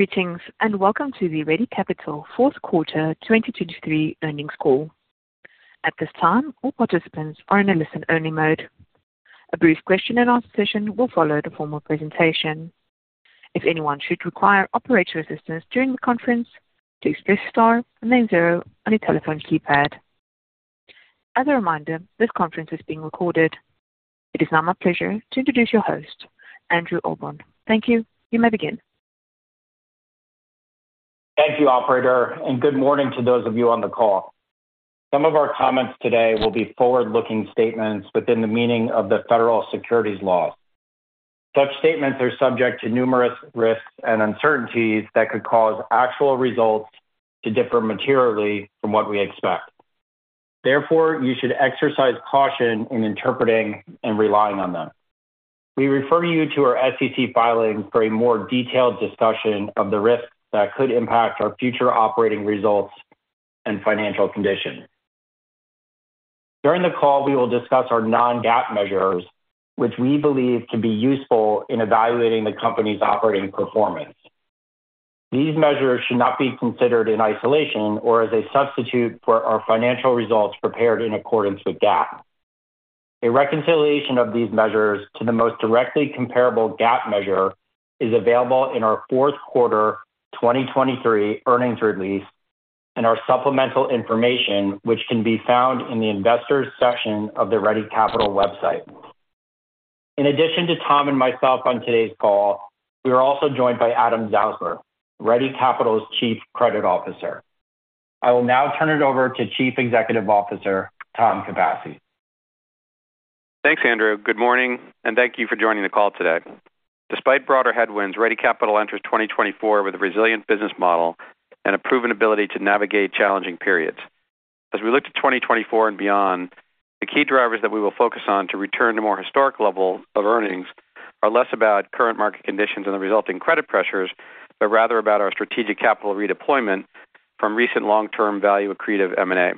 Greetings and welcome to the Ready Capital Q4 2023 Earnings Call. At this time, all participants are in a listen-only mode. A brief question-and-answer session will follow the formal presentation. If anyone should require operator assistance during the conference, please press star and then zero on your telephone keypad. As a reminder, this conference is being recorded. It is now my pleasure to introduce your host, Andrew Ahlborn. Thank you. You may begin. Thank you, Operator, and good morning to those of you on the call. Some of our comments today will be forward-looking statements within the meaning of the federal securities laws. Such statements are subject to numerous risks and uncertainties that could cause actual results to differ materially from what we expect. Therefore, you should exercise caution in interpreting and relying on them. We refer you to our SEC filings for a more detailed discussion of the risks that could impact our future operating results and financial conditions. During the call, we will discuss our non-GAAP measures, which we believe to be useful in evaluating the company's operating performance. These measures should not be considered in isolation or as a substitute for our financial results prepared in accordance with GAAP. A reconciliation of these measures to the most directly comparable GAAP measure is available in our Q4 2023 earnings release and our supplemental information, which can be found in the investors' section of the Ready Capital website. In addition to Tom and myself on today's call, we are also joined by Adam Zausmer, Ready Capital's Chief Credit Officer. I will now turn it over to Chief Executive Officer Tom Capasse. Thanks, Andrew. Good morning, and thank you for joining the call today. Despite broader headwinds, Ready Capital enters 2024 with a resilient business model and a proven ability to navigate challenging periods. As we look to 2024 and beyond, the key drivers that we will focus on to return to more historic levels of earnings are less about current market conditions and the resulting credit pressures, but rather about our strategic capital redeployment from recent long-term value accretive M&A.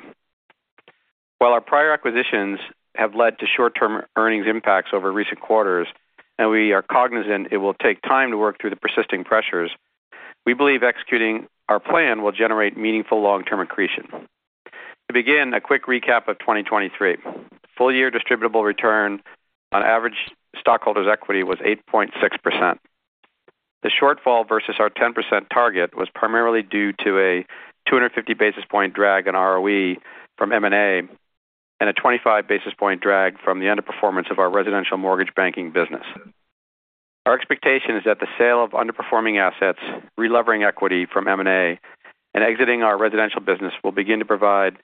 While our prior acquisitions have led to short-term earnings impacts over recent quarters, and we are cognizant it will take time to work through the persisting pressures, we believe executing our plan will generate meaningful long-term accretion. To begin, a quick recap of 2023. Full-year distributable return on average stockholders' equity was 8.6%. The shortfall versus our 10% target was primarily due to a 250 basis point drag on ROE from M&A and a 25 basis point drag from the underperformance of our residential mortgage banking business. Our expectation is that the sale of underperforming assets, relevering equity from M&A, and exiting our residential business will begin to provide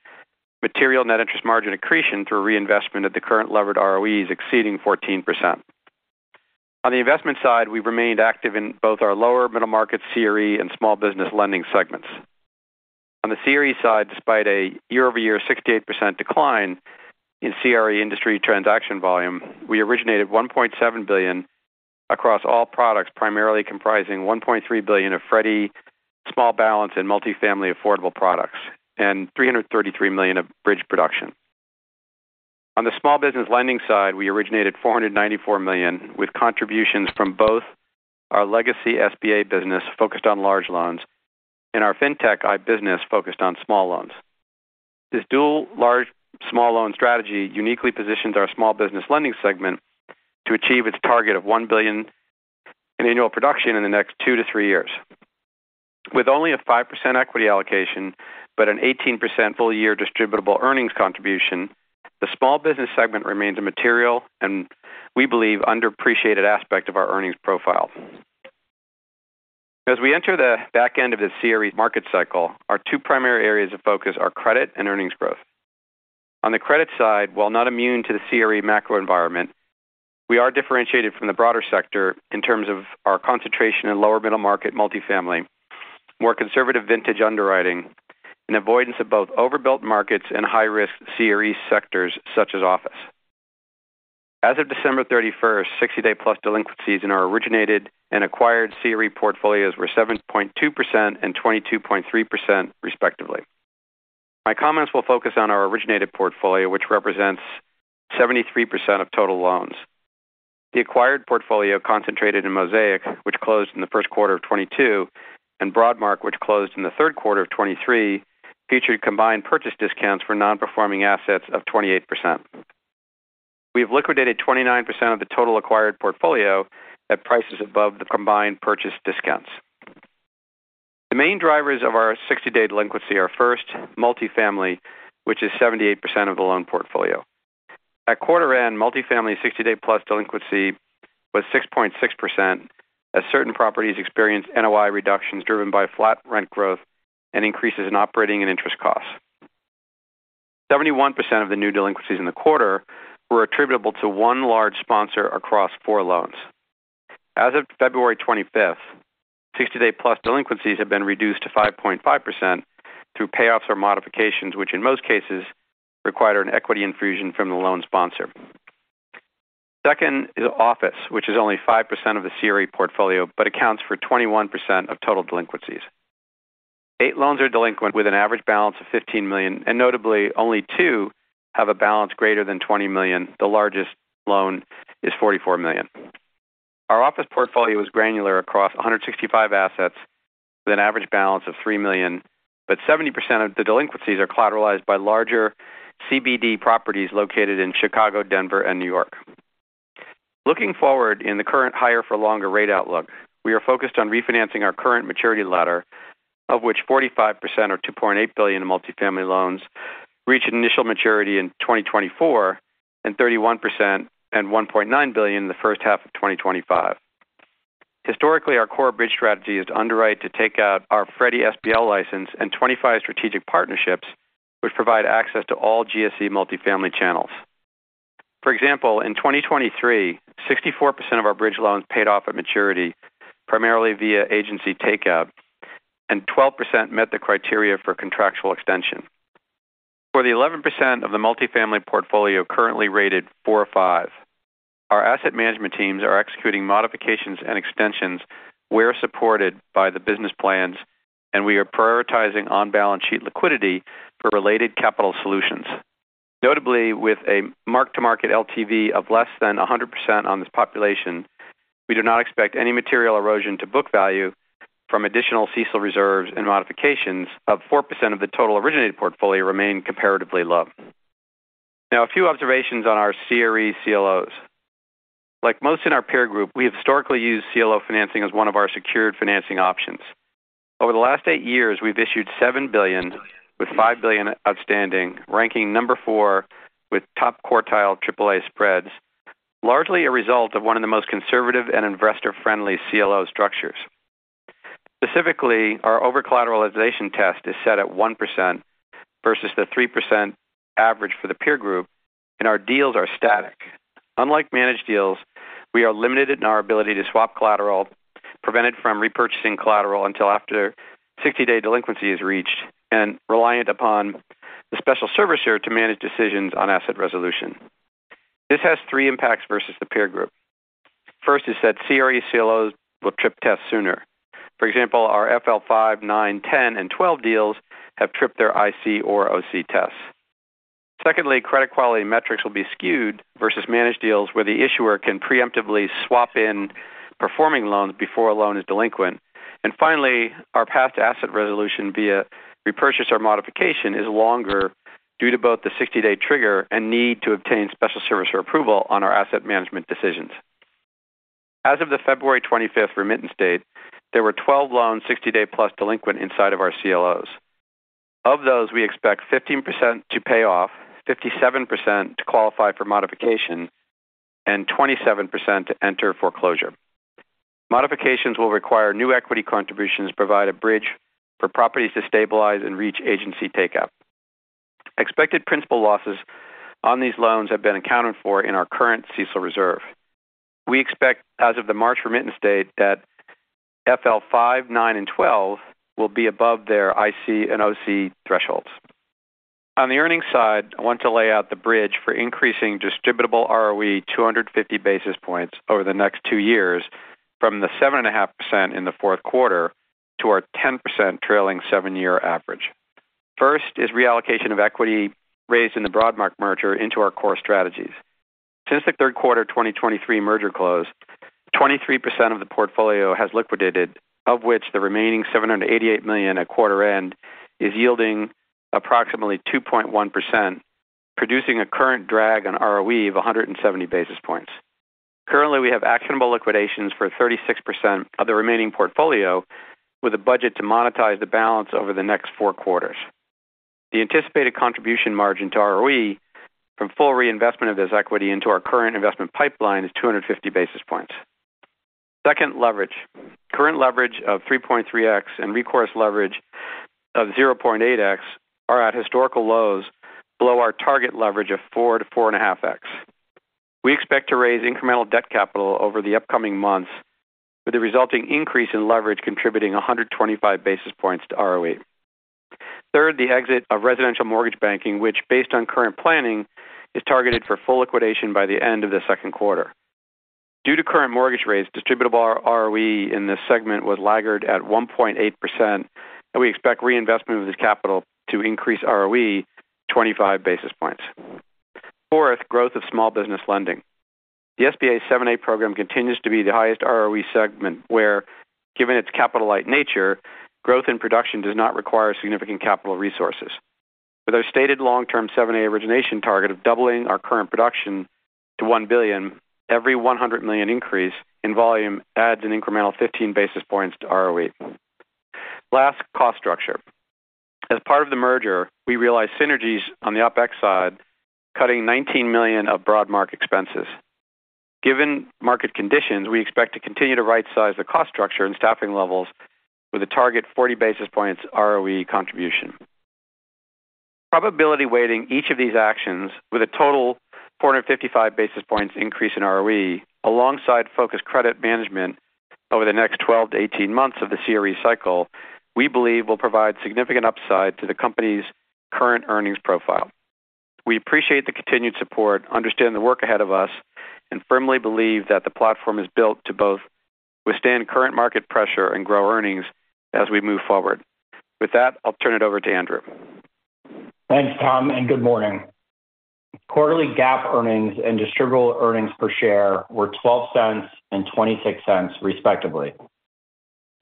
material net interest margin accretion through reinvestment of the current levered ROEs exceeding 14%. On the investment side, we've remained active in both our lower middle market CRE and small business lending segments. On the CRE side, despite a year-over-year 68% decline in CRE industry transaction volume, we originated $1.7 billion across all products, primarily comprising $1.3 billion of Freddie Small Balance and multifamily affordable products, and $333 million of bridge production. On the small business lending side, we originated $494 million with contributions from both our legacy SBA business focused on large loans and our fintech iBusiness focused on small loans. This dual large small loan strategy uniquely positions our small business lending segment to achieve its target of $1 billion in annual production in the next two to three years. With only a 5% equity allocation but an 18% full-year distributable earnings contribution, the small business segment remains a material and, we believe, underappreciated aspect of our earnings profile. As we enter the back end of the CRE market cycle, our two primary areas of focus are credit and earnings growth. On the credit side, while not immune to the CRE macro environment, we are differentiated from the broader sector in terms of our concentration in lower middle market multifamily, more conservative vintage underwriting, and avoidance of both overbuilt markets and high-risk CRE sectors such as office. As of December 31st, 60-day-plus delinquencies in our originated and acquired CRE portfolios were 7.2% and 22.3%, respectively. My comments will focus on our originated portfolio, which represents 73% of total loans. The acquired portfolio concentrated in Mosaic, which closed in the Q1 of 2022, and Broadmark, which closed in the Q3 of 2023, featured combined purchase discounts for nonperforming assets of 28%. We have liquidated 29% of the total acquired portfolio at prices above the combined purchase discounts. The main drivers of our 60-day delinquency are first, multifamily, which is 78% of the loan portfolio. At quarter-end, multifamily 60-day-plus delinquency was 6.6% as certain properties experienced NOI reductions driven by flat rent growth and increases in operating and interest costs. 71% of the new delinquencies in the quarter were attributable to one large sponsor across four loans. As of February 25th, 60-day-plus delinquencies have been reduced to 5.5% through payoffs or modifications, which in most cases required an equity infusion from the loan sponsor. Second is office, which is only 5% of the CRE portfolio but accounts for 21% of total delinquencies. Eight loans are delinquent with an average balance of $15 million, and notably, only two have a balance greater than $20 million. The largest loan is $44 million. Our office portfolio is granular across 165 assets with an average balance of $3 million, but 70% of the delinquencies are collateralized by larger CBD properties located in Chicago, Denver, and New York. Looking forward in the current higher-for-longer rate outlook, we are focused on refinancing our current maturity ladder, of which 45% or $2.8 billion multifamily loans reach initial maturity in 2024 and 31% and $1.9 billion in the first half of 2025. Historically, our core bridge strategy is to underwrite to take out our Freddie SBL license and 25 strategic partnerships, which provide access to all GSE multifamily channels. For example, in 2023, 64% of our bridge loans paid off at maturity primarily via agency takeout, and 12% met the criteria for contractual extension. For the 11% of the multifamily portfolio currently rated 4 or 5, our asset management teams are executing modifications and extensions where supported by the business plans, and we are prioritizing on-balance sheet liquidity for related capital solutions. Notably, with a mark-to-market LTV of less than 100% on this population, we do not expect any material erosion to book value from additional CECL reserves. Modifications of 4% of the total originated portfolio remain comparatively low. Now, a few observations on our CRE CLOs. Like most in our peer group, we have historically used CLO financing as one of our secured financing options. Over the last eight years, we've issued $7 billion with $5 billion outstanding, ranking number 4 with top quartile AAA spreads, largely a result of one of the most conservative and investor-friendly CLO structures. Specifically, our over-collateralization test is set at 1% versus the 3% average for the peer group, and our deals are static. Unlike managed deals, we are limited in our ability to swap collateral, prevented from repurchasing collateral until after 60-day delinquency is reached, and reliant upon the special servicer to manage decisions on asset resolution. This has three impacts versus the peer group. First is that CRE CLOs will trip tests sooner. For example, our FL5, FL9, FL10, and FL12 deals have tripped their IC or OC tests. Secondly, credit quality metrics will be skewed versus managed deals where the issuer can preemptively swap in performing loans before a loan is delinquent. And finally, our past asset resolution via repurchase or modification is longer due to both the 60-day trigger and need to obtain special servicer approval on our asset management decisions. As of the February 25th remittance date, there were 12 loans 60-day-plus delinquent inside of our CLOs. Of those, we expect 15% to pay off, 57% to qualify for modification, and 27% to enter foreclosure. Modifications will require new equity contributions to provide a bridge for properties to stabilize and reach agency takeout. Expected principal losses on these loans have been accounted for in our current CECL reserve. We expect, as of the March remittance date, that FL5, FL9, and FL12 will be above their IC and OC thresholds. On the earnings side, I want to lay out the bridge for increasing distributable ROE 250 basis points over the next two years from the 7.5% in the Q4 to our 10% trailing seven-year average. First is reallocation of equity raised in the Broadmark merger into our core strategies. Since the Q3 2023 merger close, 23% of the portfolio has liquidated, of which the remaining $788 million at quarter-end is yielding approximately 2.1%, producing a current drag on ROE of 170 basis points. Currently, we have actionable liquidations for 36% of the remaining portfolio with a budget to monetize the balance over the next four quarters. The anticipated contribution margin to ROE from full reinvestment of this equity into our current investment pipeline is 250 basis points. Second, leverage. Current leverage of 3.3x and recourse leverage of 0.8x are at historical lows below our target leverage of 4 to 4.5x. We expect to raise incremental debt capital over the upcoming months with the resulting increase in leverage contributing 125 basis points to ROE. Third, the exit of residential mortgage banking, which, based on current planning, is targeted for full liquidation by the end of the Q2. Due to current mortgage rates, distributable ROE in this segment was lagged at 1.8%, and we expect reinvestment of this capital to increase ROE 25 basis points. Fourth, growth of small business lending. The SBA 7(a) program continues to be the highest ROE segment where, given its capital-light nature, growth in production does not require significant capital resources. With our stated long-term 7A origination target of doubling our current production to $1 billion, every $100 million increase in volume adds an incremental 15 basis points to ROE. Last, cost structure. As part of the merger, we realized synergies on the OpEx side cutting $19 million of Broadmark expenses. Given market conditions, we expect to continue to right-size the cost structure and staffing levels with a target 40 basis points ROE contribution. Probability weighting each of these actions with a total 455 basis points increase in ROE alongside focused credit management over the next 12-18 months of the CRE cycle, we believe, will provide significant upside to the company's current earnings profile. We appreciate the continued support, understand the work ahead of us, and firmly believe that the platform is built to both withstand current market pressure and grow earnings as we move forward. With that, I'll turn it over to Andrew. Thanks, Tom, and good morning. Quarterly GAAP earnings and distributable earnings per share were $0.12 and $0.26, respectively.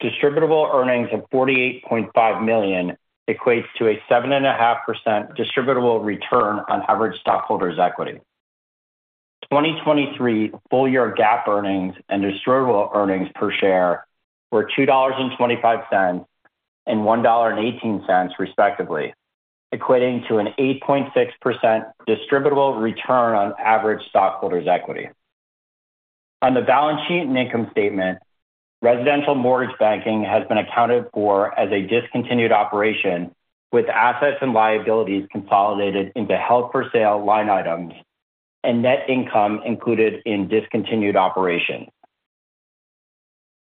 Distributable earnings of $48.5 million equates to a 7.5% distributable return on average stockholders' equity. 2023 full-year GAAP earnings and distributable earnings per share were $2.25 and $1.18, respectively, equating to an 8.6% distributable return on average stockholders' equity. On the balance sheet and income statement, residential mortgage banking has been accounted for as a discontinued operation with assets and liabilities consolidated into held-for-sale line items and net income included in discontinued operation.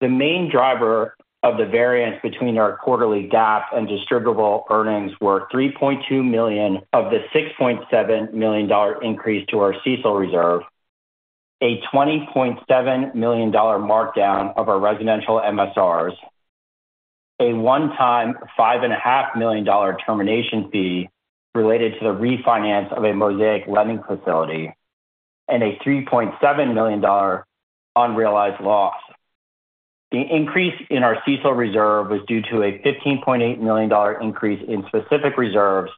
The main driver of the variance between our quarterly GAAP and distributable earnings were $3.2 million of the $6.7 million increase to our CECL reserve, a $20.7 million markdown of our residential MSRs, a one-time $5.5 million termination fee related to the refinance of a Mosaic lending facility, and a $3.7 million unrealized loss. The increase in our CECL reserve was due to a $15.8 million increase in specific reserves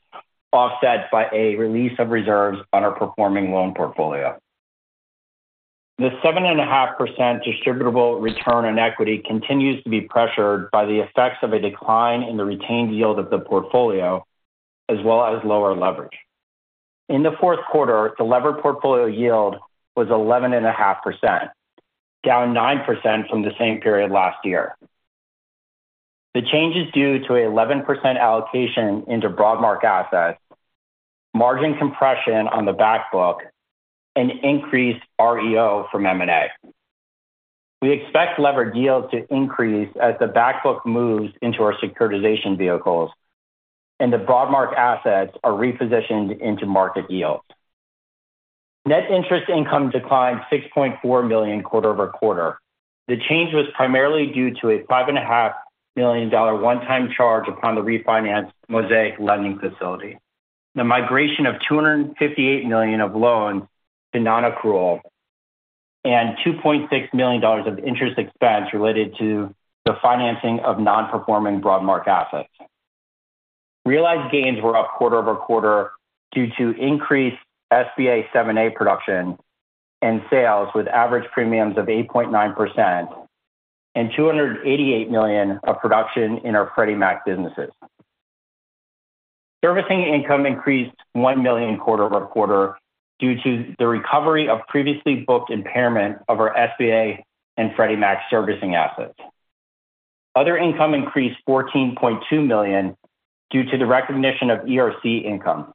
offset by a release of reserves on our performing loan portfolio. The 7.5% distributable return on equity continues to be pressured by the effects of a decline in the retained yield of the portfolio as well as lower leverage. In the Q4, the levered portfolio yield was 11.5%, down 9% from the same period last year. The change is due to an 11% allocation into Broadmark assets, margin compression on the backbook, and increased REO from M&A. We expect levered yields to increase as the backbook moves into our securitization vehicles and the Broadmark assets are repositioned into market yields. Net interest income declined $6.4 million quarter-over-quarter. The change was primarily due to a $5.5 million one-time charge upon the refinanced Mosaic lending facility, the migration of $258 million of loans to nonaccrual, and $2.6 million of interest expense related to the financing of non-performing Broadmark assets. Realized gains were up quarter-over-quarter due to increased SBA 7(a) production and sales with average premiums of 8.9% and $288 million of production in our Freddie Mac businesses. Servicing income increased $1 million quarter-over-quarter due to the recovery of previously booked impairment of our SBA and Freddie Mac servicing assets. Other income increased $14.2 million due to the recognition of ERC income.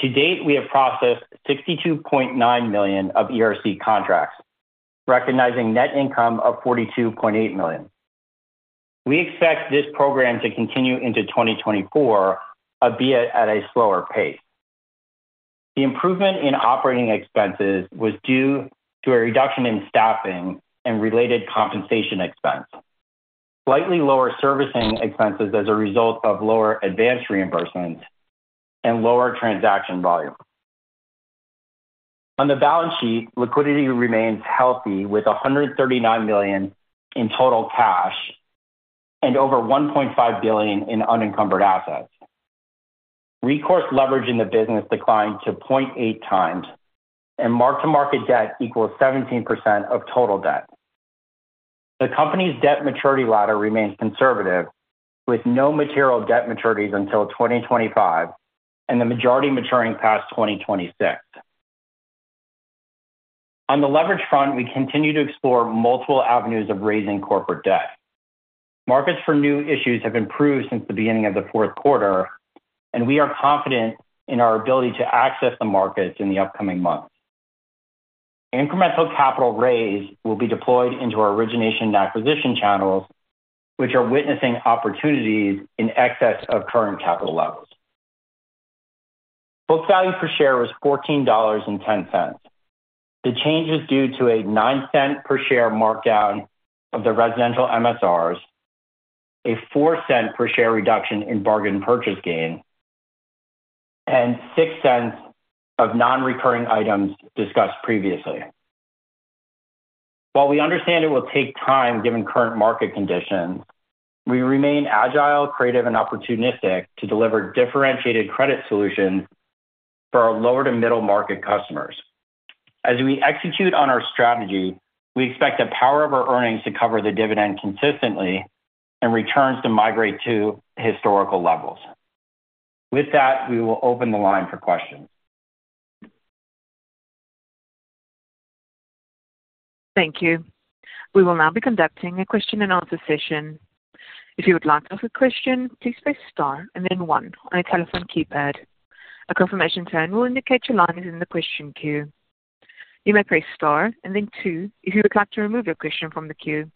To date, we have processed $62.9 million of ERC contracts, recognizing net income of $42.8 million. We expect this program to continue into 2024, albeit at a slower pace. The improvement in operating expenses was due to a reduction in staffing and related compensation expense, slightly lower servicing expenses as a result of lower advance reimbursements, and lower transaction volume. On the balance sheet, liquidity remains healthy with $139 million in total cash and over $1.5 billion in unencumbered assets. Recourse leverage in the business declined to 0.8x, and mark-to-market debt equals 17% of total debt. The company's debt maturity ladder remains conservative with no material debt maturities until 2025 and the majority maturing past 2026. On the leverage front, we continue to explore multiple avenues of raising corporate debt. Markets for new issues have improved since the beginning of the Q4, and we are confident in our ability to access the markets in the upcoming months. Incremental capital raise will be deployed into our origination and acquisition channels, which are witnessing opportunities in excess of current capital levels. Book value per share was $14.10. The change is due to a $0.09 per share markdown of the residential MSRs, a $0.04 per share reduction in bargain purchase gain, and $0.06 of non-recurring items discussed previously. While we understand it will take time given current market conditions, we remain agile, creative, and opportunistic to deliver differentiated credit solutions for our lower to middle market customers. As we execute on our strategy, we expect the power of our earnings to cover the dividend consistently and returns to migrate to historical levels. With that, we will open the line for questions. Thank you. We will now be conducting a question-and-answer session. If you would like to ask a question, please press star and then one on a telephone keypad. A confirmation tone will indicate your line is in the question queue. You may press star and then two if you would like to remove your question from the queue.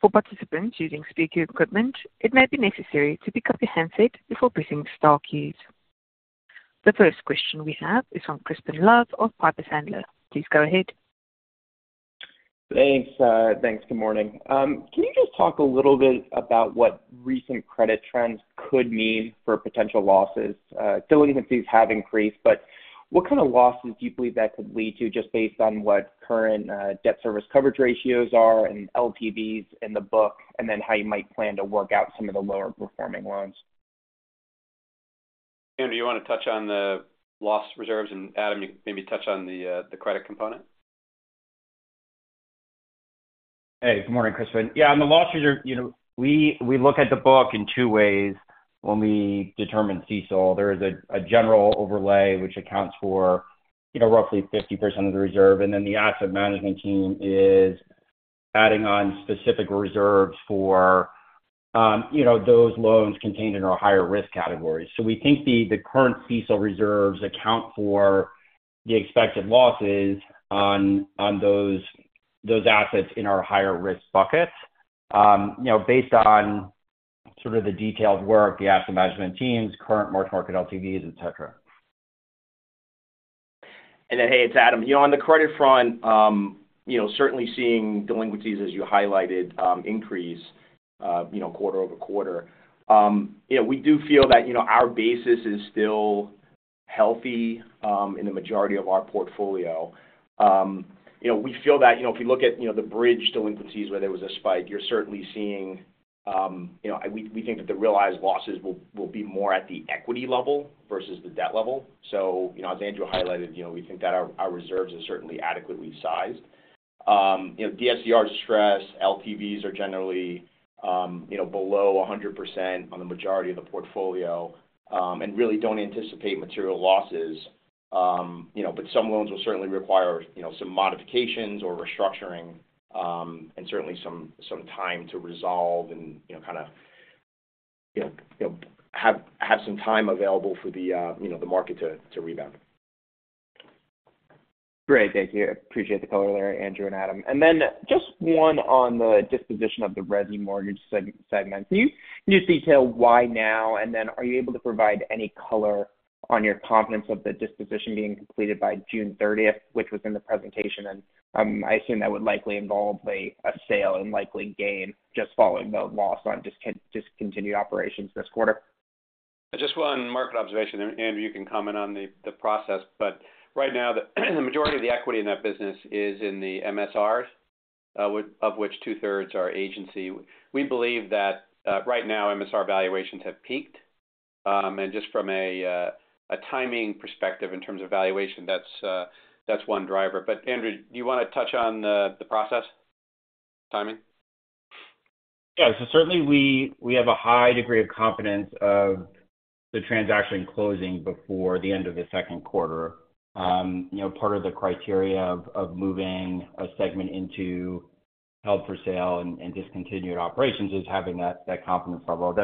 For participants using speaker equipment, it may be necessary to pick up your handset before pressing star keys. The first question we have is from Crispin Love of Piper Sandler. Please go ahead. Thanks. Thanks. Good morning. Can you just talk a little bit about what recent credit trends could mean for potential losses? Delinquencies have increased, but what kind of losses do you believe that could lead to just based on what current debt service coverage ratios are and LTVs in the book and then how you might plan to work out some of the lower-performing loans? Andrew. You want to touch on the loss reserves? And Adam, you can maybe touch on the credit component. Hey. Good morning, Crispin. Yeah. On the loss reserve, we look at the book in two ways when we determine CECL. There is a general overlay which accounts for roughly 50% of the reserve. And then the asset management team is adding on specific reserves for those loans contained in our higher-risk categories. So we think the current CECL reserves account for the expected losses on those assets in our higher-risk buckets based on sort of the detailed work, the asset management teams, current market LTVs, etc. Hey, it's Adam. On the credit front, certainly seeing delinquencies, as you highlighted, increase quarter-over-quarter. We do feel that our basis is still healthy in the majority of our portfolio. We feel that if you look at the bridge delinquencies where there was a spike, you're certainly seeing we think that the realized losses will be more at the equity level versus the debt level. So as Andrew highlighted, we think that our reserves are certainly adequately sized. DSCRs stress. LTVs are generally below 100% on the majority of the portfolio and really don't anticipate material losses. But some loans will certainly require some modifications or restructuring and certainly some time to resolve and kind of have some time available for the market to rebound. Great. Thank you. Appreciate the color there, Andrew and Adam. And then just one on the disposition of the residual mortgage segment. Can you just detail why now? And then are you able to provide any color on your confidence of the disposition being completed by June 30th, which was in the presentation? And I assume that would likely involve a sale and likely gain just following the loss on discontinued operations this quarter. Just one market observation. Andrew, you can comment on the process. Right now, the majority of the equity in that business is in the MSRs, of which two-thirds are agency. We believe that right now, MSR valuations have peaked. Just from a timing perspective in terms of valuation, that's one driver. Andrew, do you want to touch on the process, timing? Yeah. So certainly, we have a high degree of confidence of the transaction closing before the end of the Q2. Part of the criteria of moving a segment into held-for-sale and discontinued operations is having that confidence level.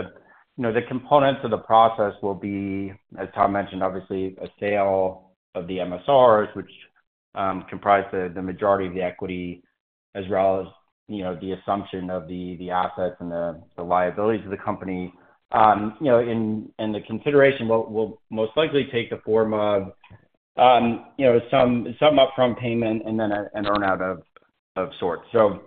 The components of the process will be, as Tom mentioned, obviously, a sale of the MSRs, which comprise the majority of the equity, as well as the assumption of the assets and the liabilities of the company. And the consideration will most likely take the form of some upfront payment and then an earnout of sorts. So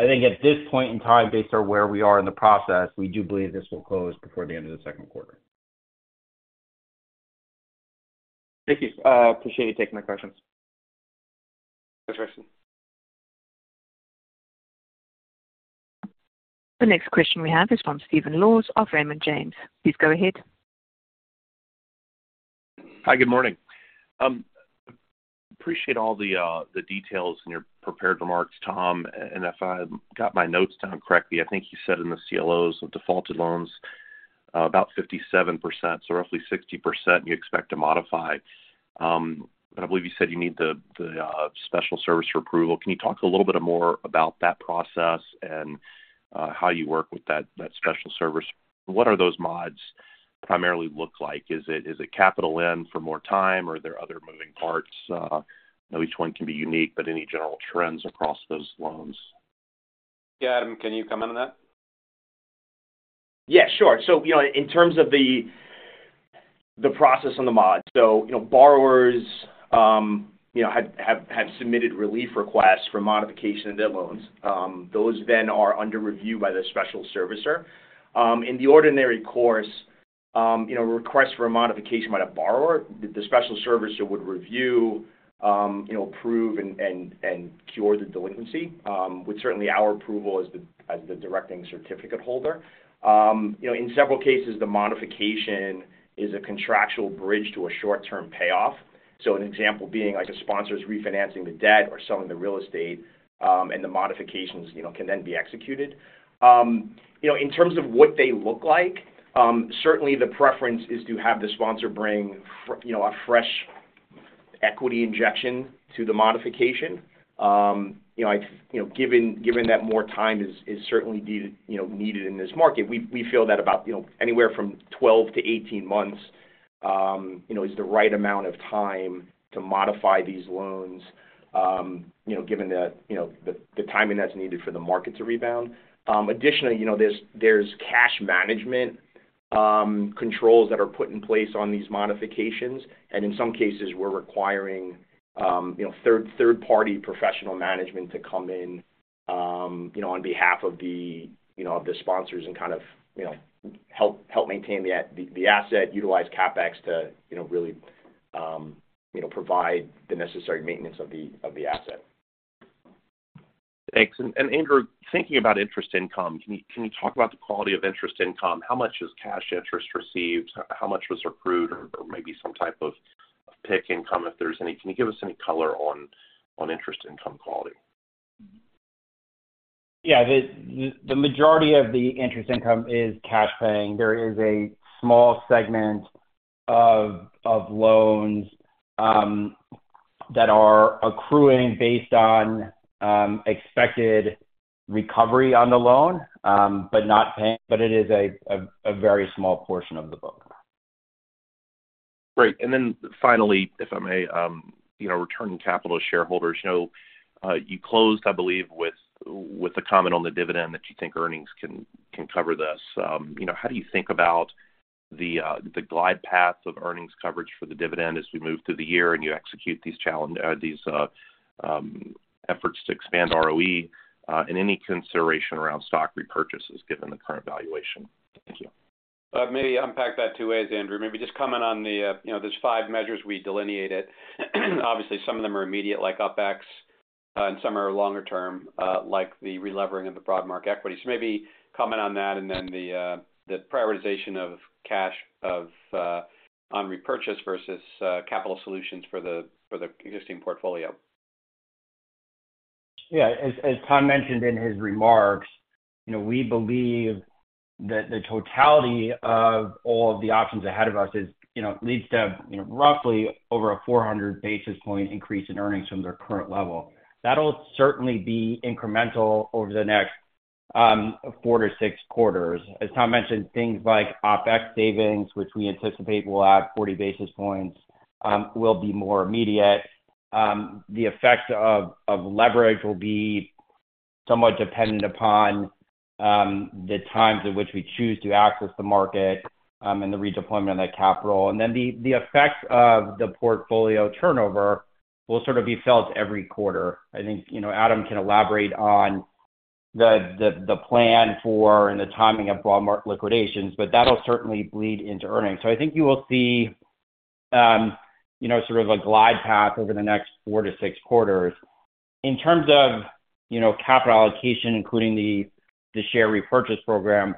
I think at this point in time, based on where we are in the process, we do believe this will close before the end of the Q2. Thank you. Appreciate you taking my questions. Thanks, Crispin. The next question we have is from Stephen Laws of Raymond James. Please go ahead. Hi. Good morning. Appreciate all the details in your prepared remarks, Tom. And if I got my notes down correctly, I think you said in the CLOs of defaulted loans, about 57%, so roughly 60% you expect to modify. But I believe you said you need the special servicer for approval. Can you talk a little bit more about that process and how you work with that special servicer? What are those mods primarily look like? Is it capital in for more time, or are there other moving parts? Each one can be unique, but any general trends across those loans? Yeah. Adam, can you comment on that? Yeah. Sure. So in terms of the process on the mods, so borrowers have submitted relief requests for modification of debt loans. Those then are under review by the special servicer. In the ordinary course, a request for a modification by the borrower, the special servicer would review, approve, and cure the delinquency with certainly our approval as the Directing Certificate Holder. In several cases, the modification is a contractual bridge to a short-term payoff. So an example being a sponsor is refinancing the debt or selling the real estate, and the modifications can then be executed. In terms of what they look like, certainly, the preference is to have the sponsor bring a fresh equity injection to the modification. Given that more time is certainly needed in this market, we feel that about anywhere from 12-18 months is the right amount of time to modify these loans given the timing that's needed for the market to rebound. Additionally, there's cash management controls that are put in place on these modifications. And in some cases, we're requiring third-party professional management to come in on behalf of the sponsors and kind of help maintain the asset, utilize CapEx to really provide the necessary maintenance of the asset. Thanks. Andrew, thinking about interest income, can you talk about the quality of interest income? How much is cash interest received? How much was accrued or maybe some type of PIK income, if there's any? Can you give us any color on interest income quality? Yeah. The majority of the interest income is cash paying. There is a small segment of loans that are accruing based on expected recovery on the loan but not paying, but it is a very small portion of the book. Great. And then finally, if I may, returning capital to shareholders, you closed, I believe, with a comment on the dividend that you think earnings can cover this. How do you think about the glide path of earnings coverage for the dividend as we move through the year and you execute these efforts to expand ROE and any consideration around stock repurchases given the current valuation? Thank you. Maybe unpack that 2 ways, Andrew. Maybe just comment on the there's 5 measures. We delineate it. Obviously, some of them are immediate like OpEx, and some are longer-term like the relevering of the Broadmark equity. So maybe comment on that and then the prioritization of cash on repurchase versus capital solutions for the existing portfolio. Yeah. As Tom mentioned in his remarks, we believe that the totality of all of the options ahead of us leads to roughly over 400 basis points increase in earnings from their current level. That'll certainly be incremental over the next 4-6 quarters. As Tom mentioned, things like OpEx savings, which we anticipate will add 40 basis points, will be more immediate. The effects of leverage will be somewhat dependent upon the times at which we choose to access the market and the redeployment of that capital. And then the effects of the portfolio turnover will sort of be felt every quarter. I think Adam can elaborate on the plan for and the timing of Broadmark liquidations, but that'll certainly bleed into earnings. So I think you will see sort of a glide path over the next 4-6 quarters. In terms of capital allocation, including the share repurchase program,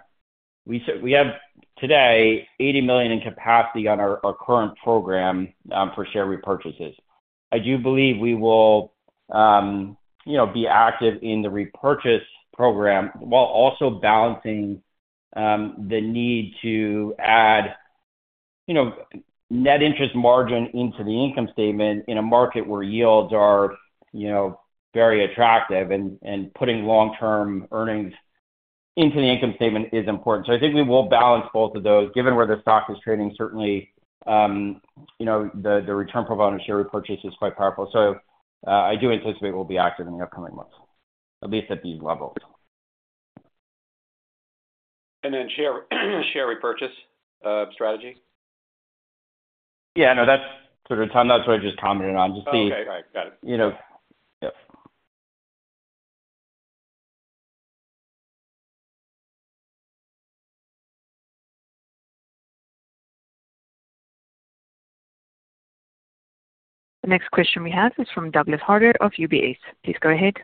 we have today $80 million in capacity on our current program for share repurchases. I do believe we will be active in the repurchase program while also balancing the need to add net interest margin into the income statement in a market where yields are very attractive, and putting long-term earnings into the income statement is important. So I think we will balance both of those. Given where the stock is trading, certainly, the return per share repurchase is quite powerful. So I do anticipate we'll be active in the upcoming months, at least at these levels. Share repurchase strategy? Yeah. No, that's sort of Tom. That's what I just commented on. Just the. Okay. All right. Got it. Yep. The next question we have is from Douglas Harter of UBS. Please go ahead.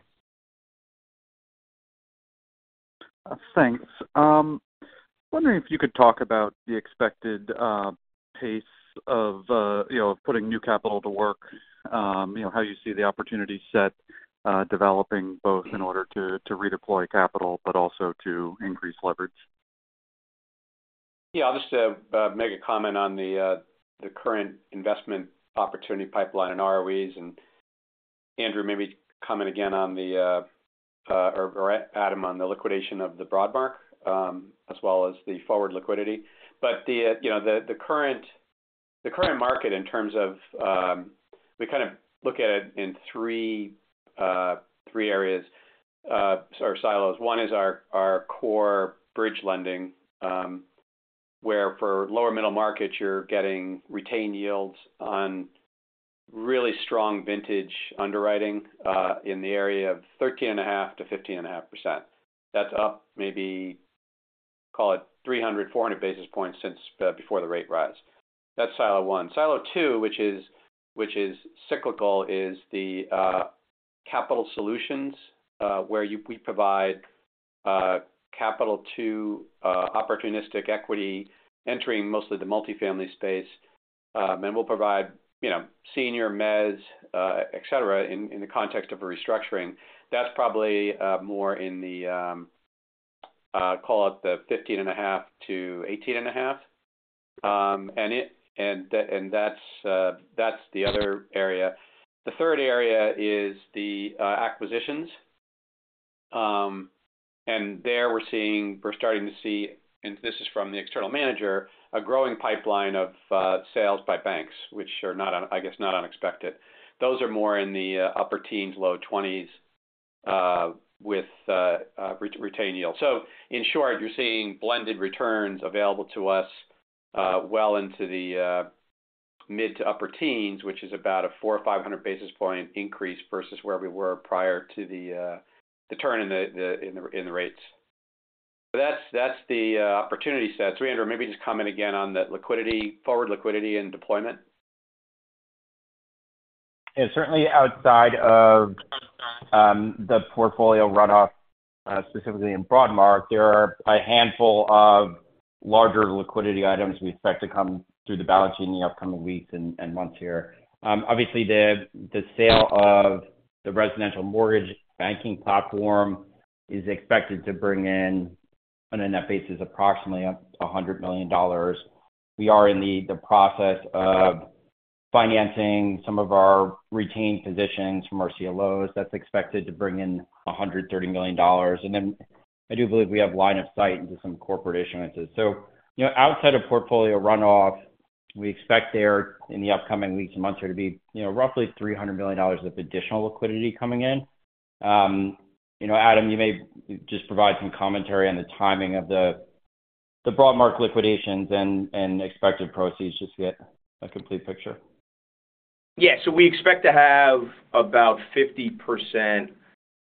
Thanks. Wondering if you could talk about the expected pace of putting new capital to work, how you see the opportunity set developing both in order to redeploy capital but also to increase leverage? Yeah. I'll just make a comment on the current investment opportunity pipeline and ROEs. And Andrew, maybe comment again on the or Adam, on the liquidation of the Broadmark as well as the forward liquidity. But the current market in terms of we kind of look at it in three areas or silos. One is our core bridge lending where for lower middle markets, you're getting retained yields on really strong vintage underwriting in the area of 13.5%-15.5%. That's up maybe, call it, 300, 400 basis points since before the rate rise. That's silo one. Silo two, which is cyclical, is the capital solutions where we provide capital to opportunistic equity entering mostly the multifamily space. And we'll provide senior, mez, etc. in the context of a restructuring. That's probably more in the, call it, the 15.5-18.5. And that's the other area. The third area is the acquisitions. And there we're starting to see - and this is from the external manager - a growing pipeline of sales by banks, which are, I guess, not unexpected. Those are more in the upper teens, low 20s with retained yields. So in short, you're seeing blended returns available to us well into the mid to upper teens, which is about a 400-500 basis point increase versus where we were prior to the turn in the rates. So that's the opportunity sets. So Andrew, maybe just comment again on the forward liquidity and deployment. Yeah. Certainly, outside of the portfolio runoff specifically in Broadmark, there are a handful of larger liquidity items we expect to come through the balance sheet in the upcoming weeks and months here. Obviously, the sale of the residential mortgage banking platform is expected to bring in on a net basis approximately $100 million. We are in the process of financing some of our retained positions from our CLOs. That's expected to bring in $130 million. And then I do believe we have line of sight into some corporate issuances. So outside of portfolio runoff, we expect there in the upcoming weeks and months here to be roughly $300 million of additional liquidity coming in. Adam, you may just provide some commentary on the timing of the Broadmark liquidations and expected proceeds just to get a complete picture. Yeah. So we expect to have about 50%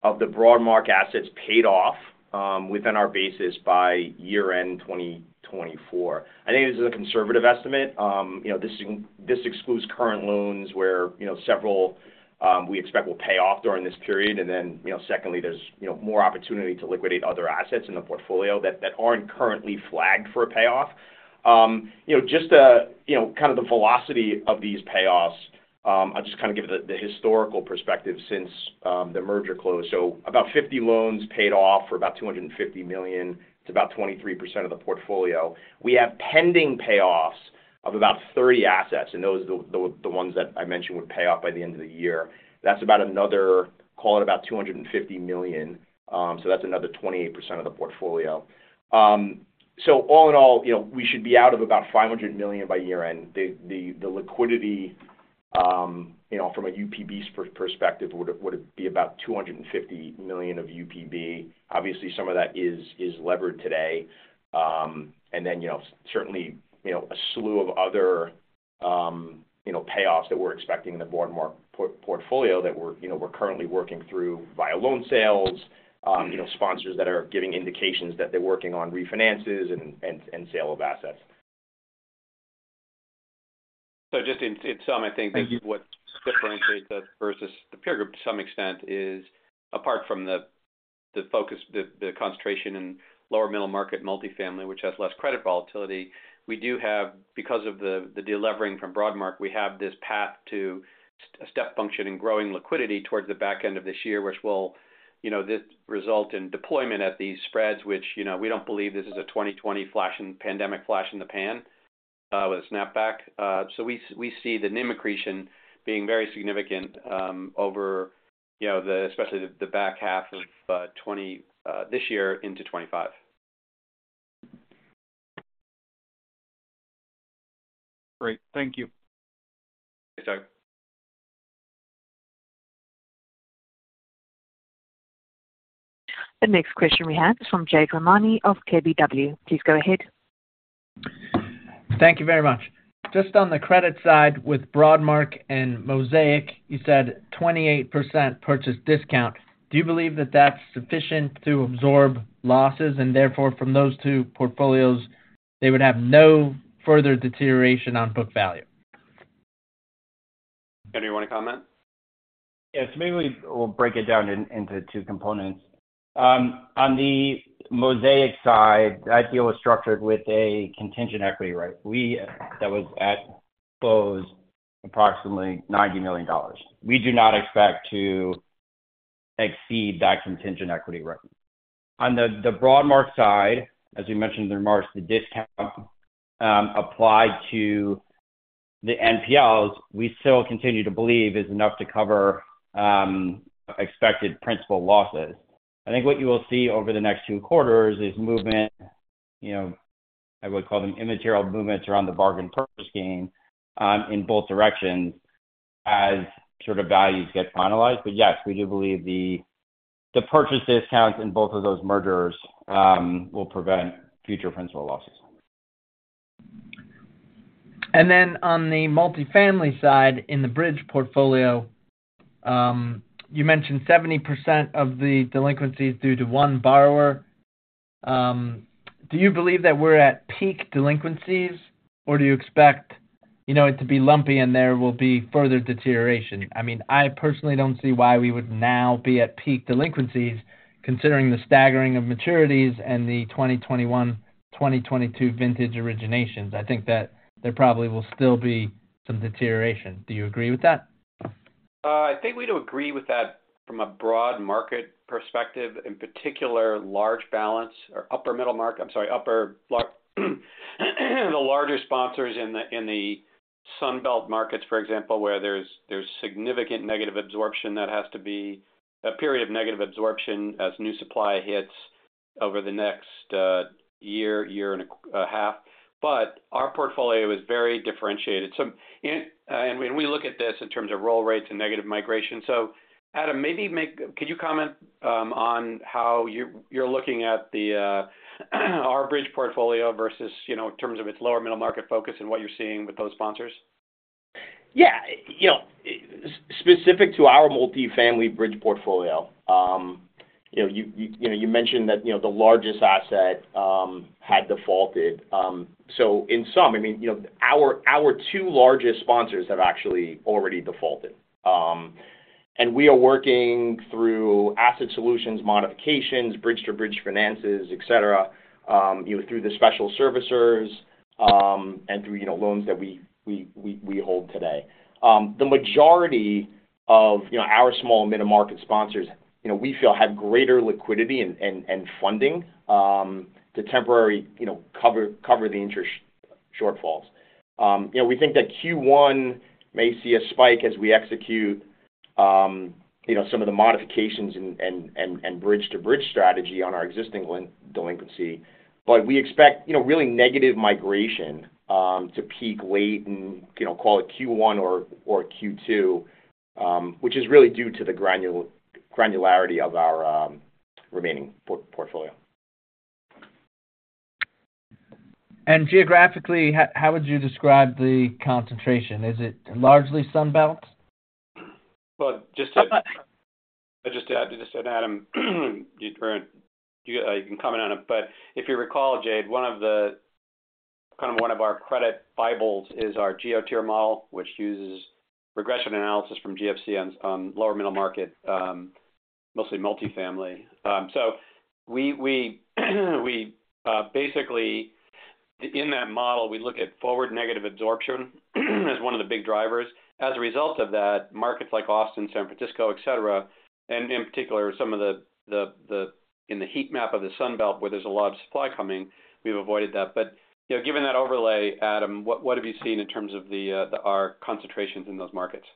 of the broad market assets paid off within our basis by year-end 2024. I think this is a conservative estimate. This excludes current loans where several we expect will pay off during this period. And then secondly, there's more opportunity to liquidate other assets in the portfolio that aren't currently flagged for a payoff. Just kind of the velocity of these payoffs, I'll just kind of give the historical perspective since the merger closed. So about 50 loans paid off for about $250 million. It's about 23% of the portfolio. We have pending payoffs of about 30 assets. And those are the ones that I mentioned would pay off by the end of the year. That's about another call it about $250 million. So that's another 28% of the portfolio. So all in all, we should be out of about $500 million by year-end. The liquidity from a UPB perspective would be about $250 million of UPB. Obviously, some of that is levered today. And then certainly, a slew of other payoffs that we're expecting in the broad market portfolio that we're currently working through via loan sales, sponsors that are giving indications that they're working on refinances and sale of assets. So just in some, I think what differentiates us versus the peer group to some extent is apart from the concentration in lower middle market multifamily, which has less credit volatility, because of the delevering from broad market, we have this path to a step function and growing liquidity towards the back end of this year, which will result in deployment at these spreads, which we don't believe this is a 2020 pandemic flash in the pan with a snapback. So we see the name accretion being very significant over especially the back half of this year into 2025. Great. Thank you. Thanks, Doug. The next question we have is from Jade Rahmani of KBW. Please go ahead. Thank you very much. Just on the credit side with Broadmark and Mosaic, you said 28% purchase discount. Do you believe that that's sufficient to absorb losses and therefore, from those two portfolios, they would have no further deterioration on book value? Andrew, you want to comment? Yeah. So maybe we'll break it down into two components. On the Mosaic side, that deal was structured with a contingent equity right that was at close approximately $90 million. We do not expect to exceed that contingent equity right. On the Broadmark side, as we mentioned in the remarks, the discount applied to the NPLs, we still continue to believe is enough to cover expected principal losses. I think what you will see over the next two quarters is movement, I would call them immaterial movements around the bargain purchase gain in both directions as sort of values get finalized. But yes, we do believe the purchase discounts in both of those mergers will prevent future principal losses. And then on the multifamily side in the bridge portfolio, you mentioned 70% of the delinquencies due to one borrower. Do you believe that we're at peak delinquencies, or do you expect it to be lumpy and there will be further deterioration? I mean, I personally don't see why we would now be at peak delinquencies considering the staggering of maturities and the 2021, 2022 vintage originations. I think that there probably will still be some deterioration. Do you agree with that? I think we do agree with that from a broad market perspective. In particular, large balance or upper middle market, I'm sorry, the larger sponsors in the Sunbelt markets, for example, where there's significant negative absorption that has to be a period of negative absorption as new supply hits over the next year, year and a half. But our portfolio is very differentiated. And we look at this in terms of roll rates and negative migration. So Adam, maybe could you comment on how you're looking at our bridge portfolio versus in terms of its lower middle market focus and what you're seeing with those sponsors? Yeah. Specific to our multifamily bridge portfolio, you mentioned that the largest asset had defaulted. So in some, I mean, our two largest sponsors have actually already defaulted. And we are working through asset solutions modifications, bridge-to-bridge finances, etc., through the special servicers and through loans that we hold today. The majority of our small middle market sponsors, we feel, have greater liquidity and funding to temporarily cover the interest shortfalls. We think that Q1 may see a spike as we execute some of the modifications and bridge-to-bridge strategy on our existing delinquency. But we expect really negative migration to peak late and call it Q1 or Q2, which is really due to the granularity of our remaining portfolio. Geographically, how would you describe the concentration? Is it largely Sunbelt? Well, just to add to this, Adam, you can comment on it. But if you recall, Jade, kind of one of our credit Bibles is our GeoTier model, which uses regression analysis from GFC on lower middle market, mostly multifamily. So basically, in that model, we look at forward negative absorption as one of the big drivers. As a result of that, markets like Austin, San Francisco, etc., and in particular, some of the in the heat map of the Sunbelt where there's a lot of supply coming, we've avoided that. But given that overlay, Adam, what have you seen in terms of our concentrations in those markets?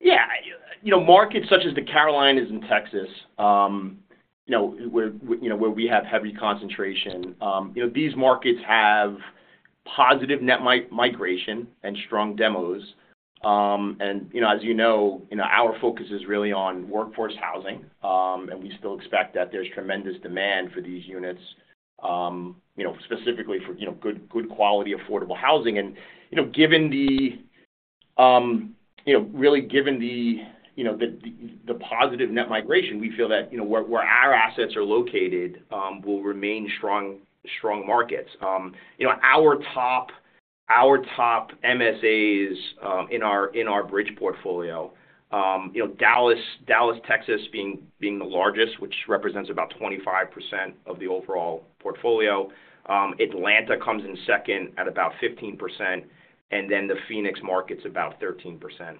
Yeah. Markets such as the Carolinas in Texas where we have heavy concentration, these markets have positive net migration and strong demos. And as you know, our focus is really on workforce housing. And we still expect that there's tremendous demand for these units, specifically for good-quality, affordable housing. And given the really given the positive net migration, we feel that where our assets are located will remain strong markets. Our top MSAs in our bridge portfolio, Dallas, Texas being the largest, which represents about 25% of the overall portfolio. Atlanta comes in second at about 15%. And then the Phoenix market's about 13%.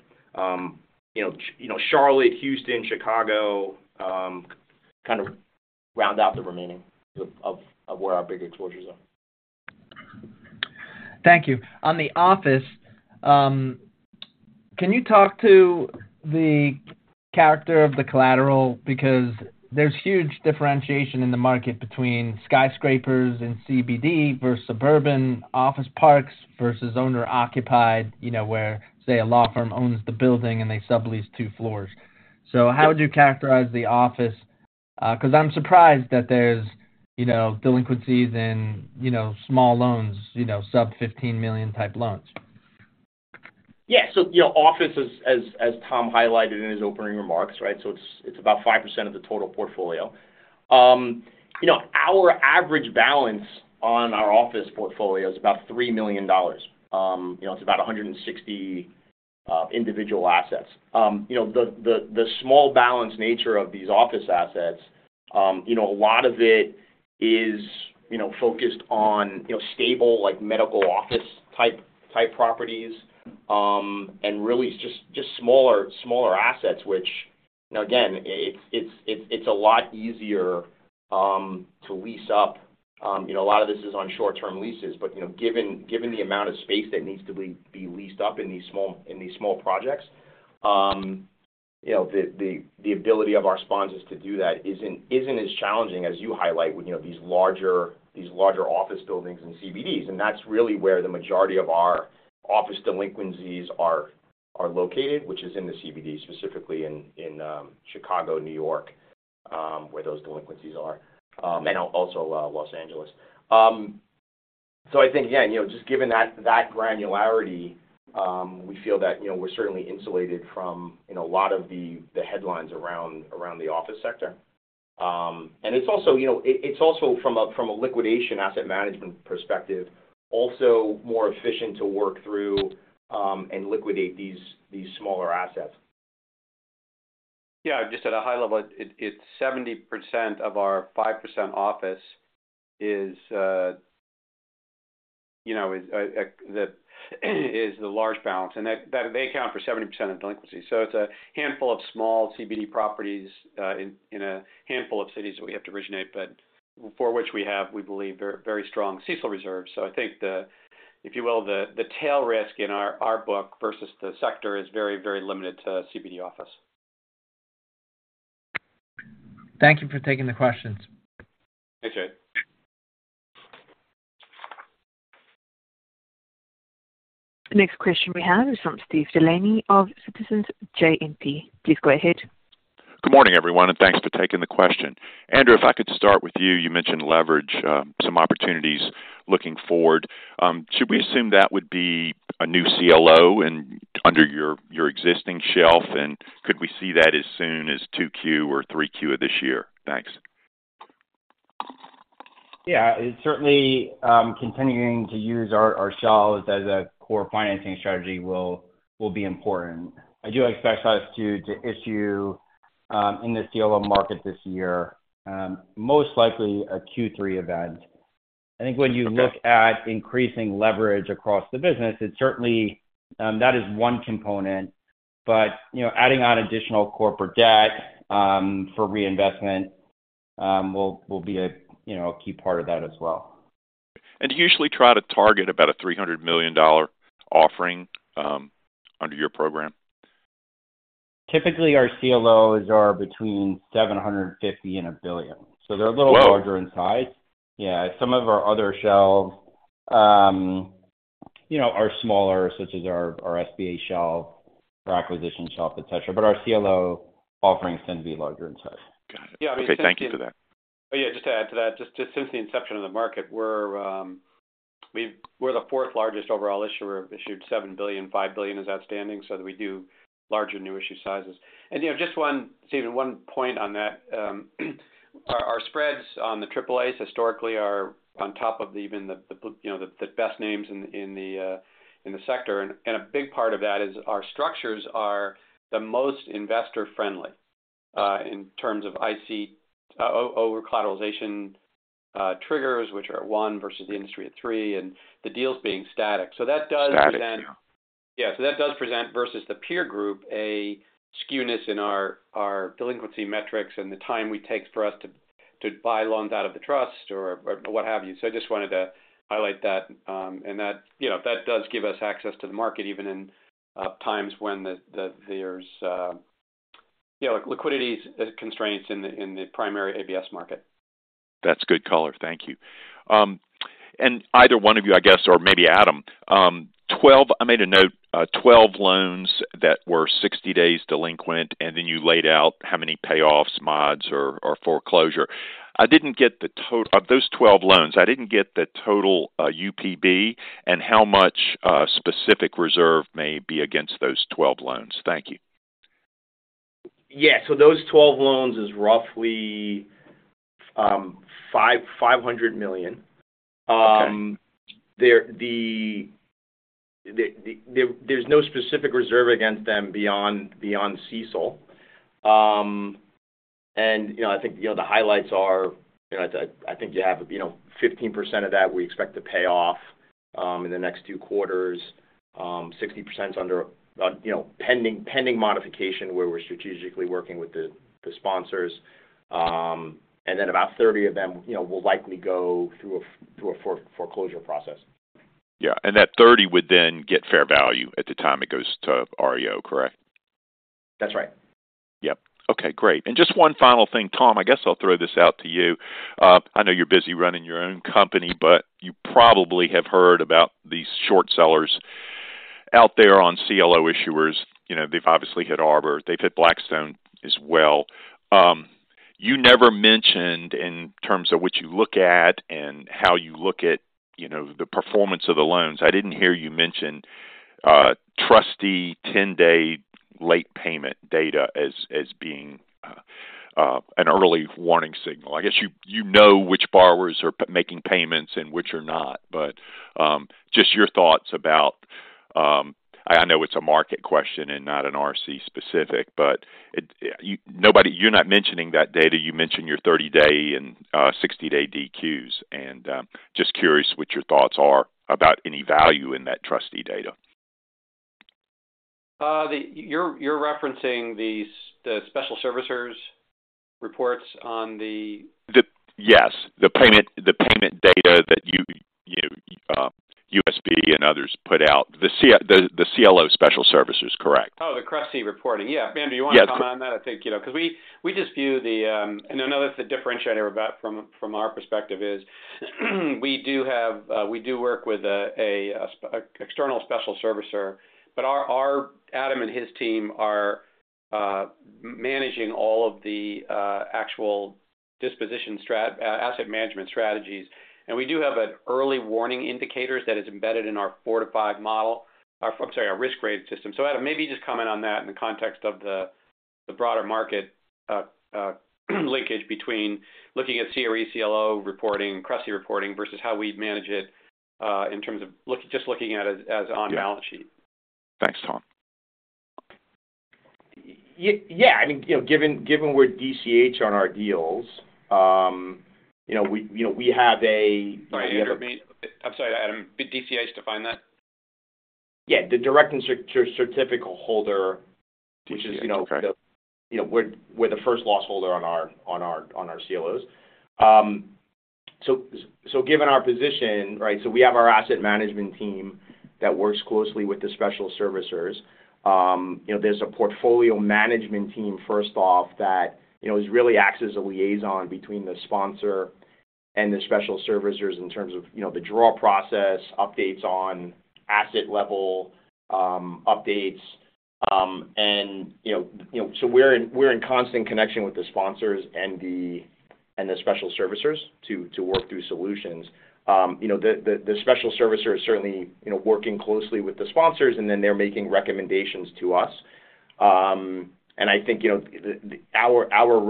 Charlotte, Houston, Chicago kind of round out the remaining of where our big exposures are. Thank you. On the office, can you talk to the character of the collateral? Because there's huge differentiation in the market between skyscrapers and CBD versus suburban, office parks versus owner-occupied where, say, a law firm owns the building and they sublease two floors. So how would you characterize the office? Because I'm surprised that there's delinquencies in small loans, sub-$15 million type loans. Yeah. So office, as Tom highlighted in his opening remarks, right, so it's about 5% of the total portfolio. Our average balance on our office portfolio is about $3 million. It's about 160 individual assets. The small balance nature of these office assets, a lot of it is focused on stable medical office type properties and really just smaller assets, which again, it's a lot easier to lease up. A lot of this is on short-term leases. But given the amount of space that needs to be leased up in these small projects, the ability of our sponsors to do that isn't as challenging as you highlight with these larger office buildings and CBDs. And that's really where the majority of our office delinquencies are located, which is in the CBD, specifically in Chicago, New York, where those delinquencies are, and also Los Angeles. I think, again, just given that granularity, we feel that we're certainly insulated from a lot of the headlines around the office sector. It's also from a liquidation asset management perspective, also more efficient to work through and liquidate these smaller assets. Yeah. Just at a high level, it's 70% of our 5% office is the large balance. And they account for 70% of delinquencies. So it's a handful of small CBD properties in a handful of cities that we have to originate, but for which we have, we believe, very strong CECL reserves. So I think, if you will, the tail risk in our book versus the sector is very, very limited to CBD office. Thank you for taking the questions. Thanks, Jade. The next question we have is from Steve Delaney of Citizens JMP. Please go ahead. Good morning, everyone. Thanks for taking the question. Andrew, if I could start with you, you mentioned leverage, some opportunities looking forward. Should we assume that would be a new CLO under your existing shelf? And could we see that as soon as 2Q or 3Q of this year? Thanks. Yeah. Certainly, continuing to use our shelves as a core financing strategy will be important. I do expect us to issue in the CLO market this year, most likely a Q3 event. I think when you look at increasing leverage across the business, that is one component. But adding on additional corporate debt for reinvestment will be a key part of that as well. Do you usually try to target about a $300 million offering under your program? Typically, our CLOs are between $750 million and $1 billion. So they're a little larger in size. Yeah. Some of our other shelves are smaller, such as our SBA shelf, our acquisition shelf, etc. But our CLO offerings tend to be larger in size. Got it. Yeah. I mean, thank you. Okay. Thank you for that. Oh, yeah. Just to add to that, just since the inception of the market, we're the fourth largest overall issuer. We've issued $7 billion, $5 billion outstanding. So we do larger new issue sizes. And just Stephen, one point on that. Our spreads on the AAAs historically are on top of even the best names in the sector. And a big part of that is our structures are the most investor-friendly in terms of IC over-collateralization triggers, which are at 1 versus the industry at 3, and the deals being static. So that does present. Static. Yeah. Yeah. So that does present versus the peer group a skewness in our delinquency metrics and the time it takes for us to buy loans out of the trust or what have you. So I just wanted to highlight that. And that does give us access to the market even in times when there's liquidity constraints in the primary ABS market. That's a good color. Thank you. And either one of you, I guess, or maybe Adam, I made a note, 12 loans that were 60 days delinquent, and then you laid out how many payoffs, mods, or foreclosure. I didn't get the total of those 12 loans, I didn't get the total UPB and how much specific reserve may be against those 12 loans. Thank you. Yeah. So those 12 loans is roughly $500 million. There's no specific reserve against them beyond CECL. And I think the highlights are I think you have 15% of that we expect to pay off in the next two quarters, 60% pending modification where we're strategically working with the sponsors. And then about 30 of them will likely go through a foreclosure process. Yeah. That 30 would then get fair value at the time it goes to REO, correct? That's right. Yep. Okay. Great. And just one final thing, Tom. I guess I'll throw this out to you. I know you're busy running your own company, but you probably have heard about these short sellers out there on CLO issuers. They've obviously hit Arbor. They've hit Blackstone as well. You never mentioned in terms of what you look at and how you look at the performance of the loans. I didn't hear you mention trustee 10-day late payment data as being an early warning signal. I guess you know which borrowers are making payments and which are not. But just your thoughts about—I know it's a market question and not an RC specific, but you're not mentioning that data. You mentioned your 30-day and 60-day DQs. And just curious what your thoughts are about any value in that trustee data. You're referencing the special servicers reports on the. Yes. The payment data that UBS and others put out, the CLO special servicers, correct. Oh, the trustee reporting. Yeah. Andrew, you want to comment on that? I think because we just view the and another differentiator from our perspective is we do work with an external special servicer. But Adam and his team are managing all of the actual asset management strategies. And we do have early warning indicators that is embedded in our 4-5 model. I'm sorry, our risk-grade system. So Adam, maybe you just comment on that in the context of the broader market linkage between looking at CRE CLO reporting, trustee reporting, versus how we manage it in terms of just looking at it as on balance sheet. Thanks, Tom. Yeah. I mean, given we're DCH on our deals, we have a. Sorry, Andrew, I'm sorry, Adam, did DCH define that? Yeah. The directing certificate holder, which is we're the first loss holder on our CLOs. So given our position, right, so we have our asset management team that works closely with the special servicers. There's a portfolio management team, first off, that really acts as a liaison between the sponsor and the special servicers in terms of the draw process, updates on asset-level updates. And so we're in constant connection with the sponsors and the special servicers to work through solutions. The special servicer is certainly working closely with the sponsors, and then they're making recommendations to us. And I think our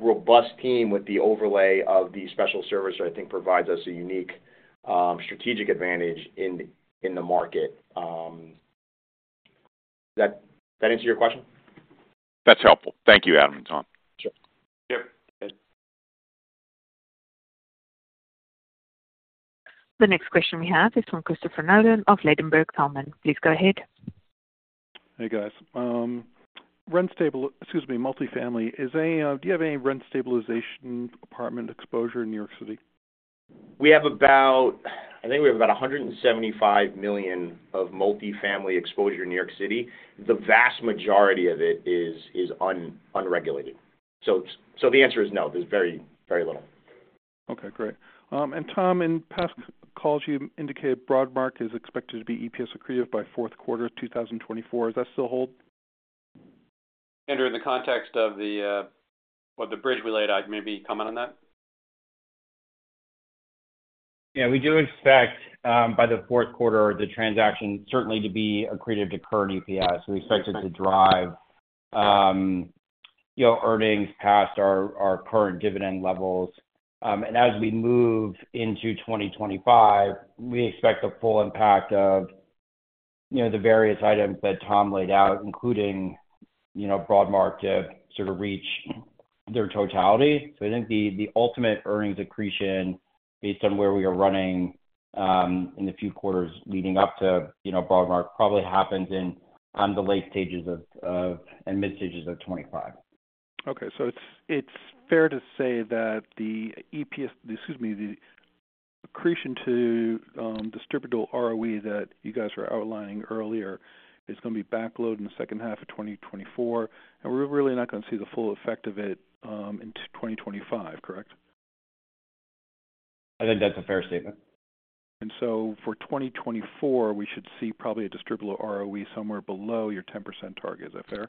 robust team with the overlay of the special servicer, I think, provides us a unique strategic advantage in the market. Does that answer your question? That's helpful. Thank you, Adam and Tom. Sure. The next question we have is from Christopher Nolan of Ladenburg Thalmann. Please go ahead. Hey, guys. Rent stable excuse me, multifamily. Do you have any rent stabilization apartment exposure in New York City? We have about, I think, we have about $175 million of multifamily exposure in New York City. The vast majority of it is unregulated. So the answer is no. There's very, very little. Okay. Great. And Tom, in past calls, you indicated Broadmark is expected to be EPS-accretive by Q4 of 2024. Does that still hold? Andrew, in the context of what the bridge related, maybe you comment on that? Yeah. We do expect by the Q4, the transaction certainly to be accretive to current EPS. We expect it to drive earnings past our current dividend levels. And as we move into 2025, we expect the full impact of the various items that Tom laid out, including Broadmark, to sort of reach their totality. So I think the ultimate earnings accretion, based on where we are running in the few quarters leading up to Broadmark, probably happens in the late stages and mid-stages of 2025. Okay. So it's fair to say that the EPS, excuse me, the accretion to distributable ROE that you guys were outlining earlier is going to be back-loaded in the second half of 2024. And we're really not going to see the full effect of it in 2025, correct? I think that's a fair statement. And so for 2024, we should see probably a distributable ROE somewhere below your 10% target. Is that fair?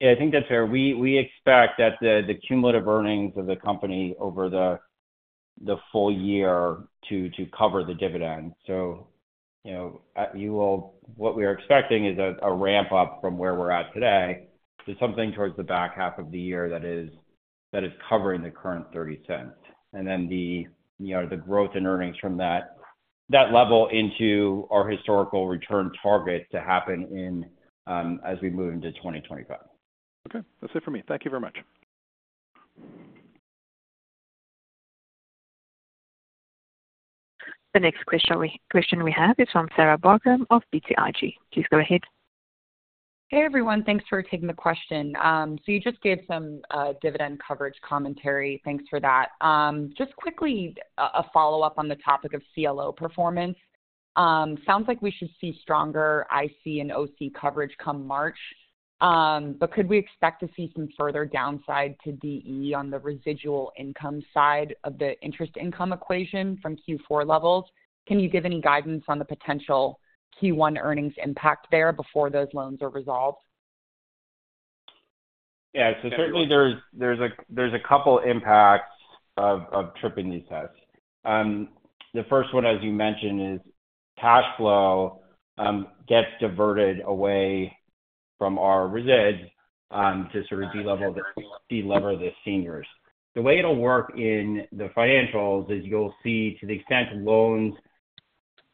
Yeah. I think that's fair. We expect that the cumulative earnings of the company over the full year to cover the dividend. So what we are expecting is a ramp-up from where we're at today to something towards the back half of the year that is covering the current $0.30. And then the growth in earnings from that level into our historical return target to happen as we move into 2025. Okay. That's it for me. Thank you very much. The next question we have is from Sarah Barcomb of BTIG. Please go ahead. Hey, everyone. Thanks for taking the question. So you just gave some dividend coverage commentary. Thanks for that. Just quickly, a follow-up on the topic of CLO performance. Sounds like we should see stronger IC and OC coverage come March. But could we expect to see some further downside to DE on the residual income side of the interest income equation from Q4 levels? Can you give any guidance on the potential Q1 earnings impact there before those loans are resolved? Yeah. So certainly, there's a couple of impacts of tripping these tests. The first one, as you mentioned, is cash flow gets diverted away from our residuals to sort of de-lever the seniors. The way it'll work in the financials is you'll see, to the extent loans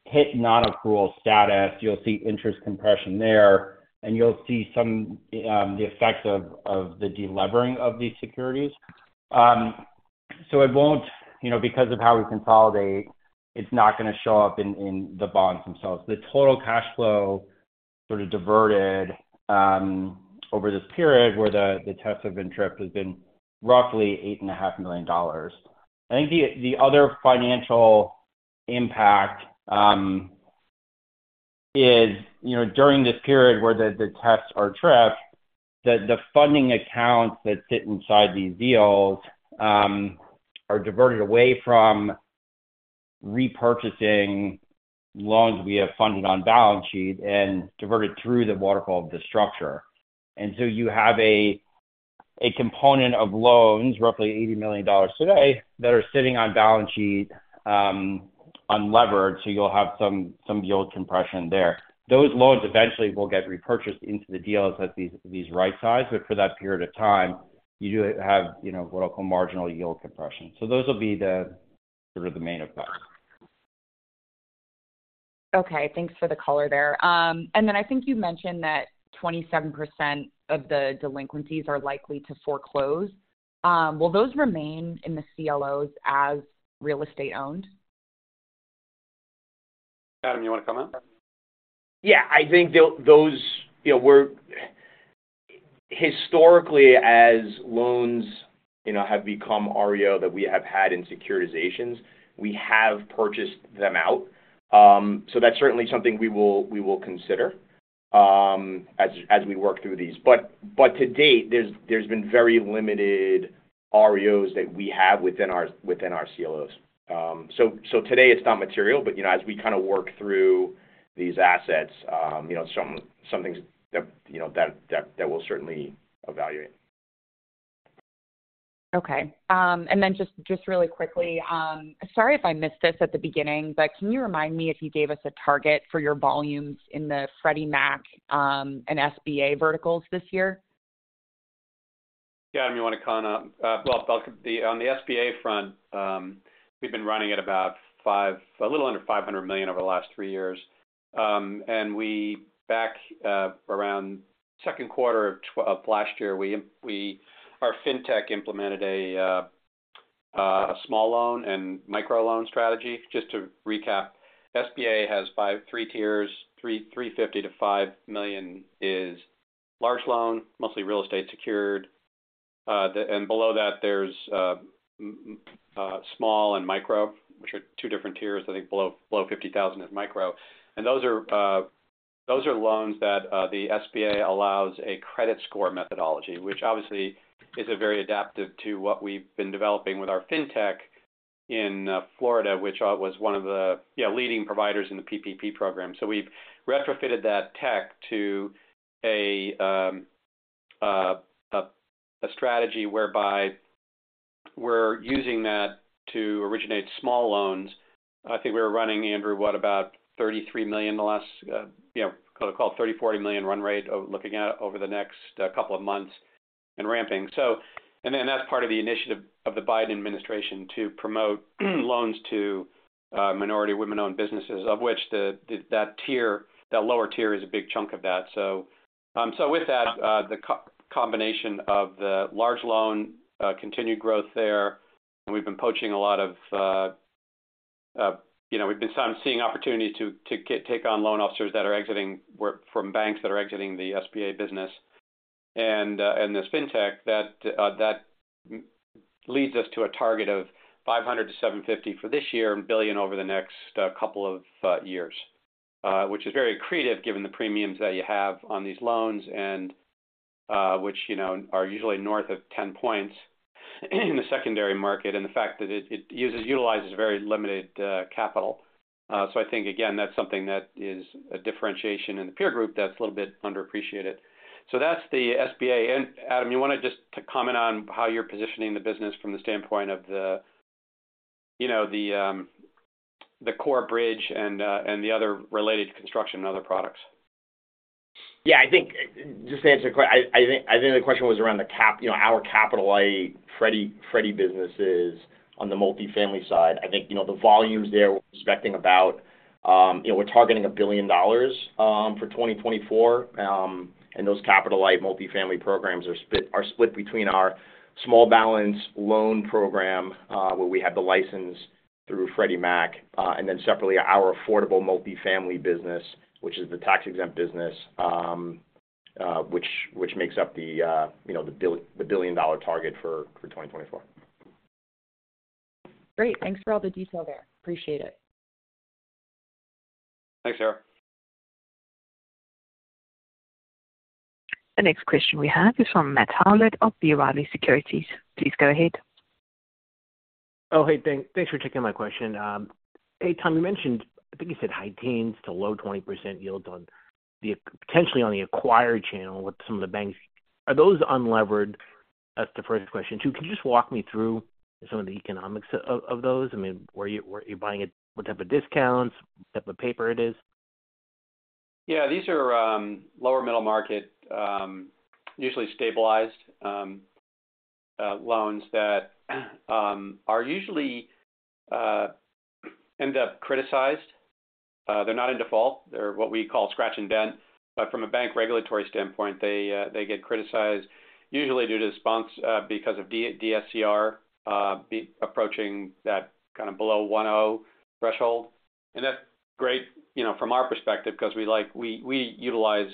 hit non-accrual status, you'll see interest compression there. And you'll see some of the effects of the de-levering of these securities. So because of how we consolidate, it's not going to show up in the bonds themselves. The total cash flow sort of diverted over this period where the tests have been tripped has been roughly $8.5 million. I think the other financial impact is during this period where the tests are tripped, the funding accounts that sit inside these deals are diverted away from repurchasing loans we have funded on balance sheet and diverted through the waterfall of the structure. And so you have a component of loans, roughly $80 million today, that are sitting on balance sheet unlevered. So you'll have some yield compression there. Those loans eventually will get repurchased into the deals at these right sizes. But for that period of time, you do have what I'll call marginal yield compression. So those will be sort of the main effects. Okay. Thanks for the color there. And then I think you mentioned that 27% of the delinquencies are likely to foreclose. Will those remain in the CLOs as real estate-owned? Adam, you want to comment? Yeah. I think those historically, as loans have become REO that we have had in securitizations, we have purchased them out. So that's certainly something we will consider as we work through these. But to date, there's been very limited REOs that we have within our CLOs. So today, it's not material. But as we kind of work through these assets, it's something that we'll certainly evaluate. Okay. And then just really quickly, sorry if I missed this at the beginning, but can you remind me if you gave us a target for your volumes in the Freddie Mac and SBA verticals this year? Yeah. Adam, you want to comment? Well, on the SBA front, we've been running at about a little under $500 million over the last 3 years. And back around Q2 of last year, our fintech implemented a small loan and microloan strategy. Just to recap, SBA has three tiers. $350,000-$5 million is large loan, mostly real estate secured. And below that, there's small and micro, which are two different tiers. I think below $50,000 is micro. And those are loans that the SBA allows a credit score methodology, which obviously is very adaptive to what we've been developing with our fintech in Florida, which was one of the leading providers in the PPP program. So we've retrofitted that tech to a strategy whereby we're using that to originate small loans. I think we were running, Andrew, what, about $33 million the last call, at $30-$40 million run rate looking at over the next couple of months and ramping. And then that's part of the initiative of the Biden administration to promote loans to minority women-owned businesses, of which that lower tier is a big chunk of that. So with that, the combination of the large loan, continued growth there, and we've been poaching a lot and we've been seeing opportunities to take on loan officers that are exiting from banks that are exiting the SBA business and this fintech, that leads us to a target of $500-$750 million for this year and $1 billion over the next couple of years, which is very accretive given the premiums that you have on these loans, which are usually north of 10 points in the secondary market and the fact that it utilizes very limited capital. So I think, again, that's something that is a differentiation in the peer group that's a little bit underappreciated. So that's the SBA. And Adam, you want to just comment on how you're positioning the business from the standpoint of the core bridge and the other related to construction and other products? Yeah. I think just to answer the question, I think the question was around our capital-light Freddie businesses on the multifamily side. I think the volumes there we're targeting $1 billion for 2024. And those capital-light multifamily programs are split between our small balance loan program, where we have the license through Freddie Mac, and then separately our affordable multifamily business, which is the tax-exempt business, which makes up the $1 billion target for 2024. Great. Thanks for all the detail there. Appreciate it. Thanks, Sarah. The next question we have is from Matt Howlett of B. Riley Securities. Please go ahead. Oh, hey. Thanks for taking my question. Hey, Tom, you mentioned I think you said high teens to low 20% yields potentially on the acquired channel with some of the banks. Are those unlevered? That's the first question. Two, can you just walk me through some of the economics of those? I mean, are you buying it what type of discounts, what type of paper it is? Yeah. These are lower middle market, usually stabilized loans that usually end up criticized. They're not in default. They're what we call scratch and dent. But from a bank regulatory standpoint, they get criticized usually because of DSCR approaching that kind of below 10 threshold. And that's great from our perspective because we utilize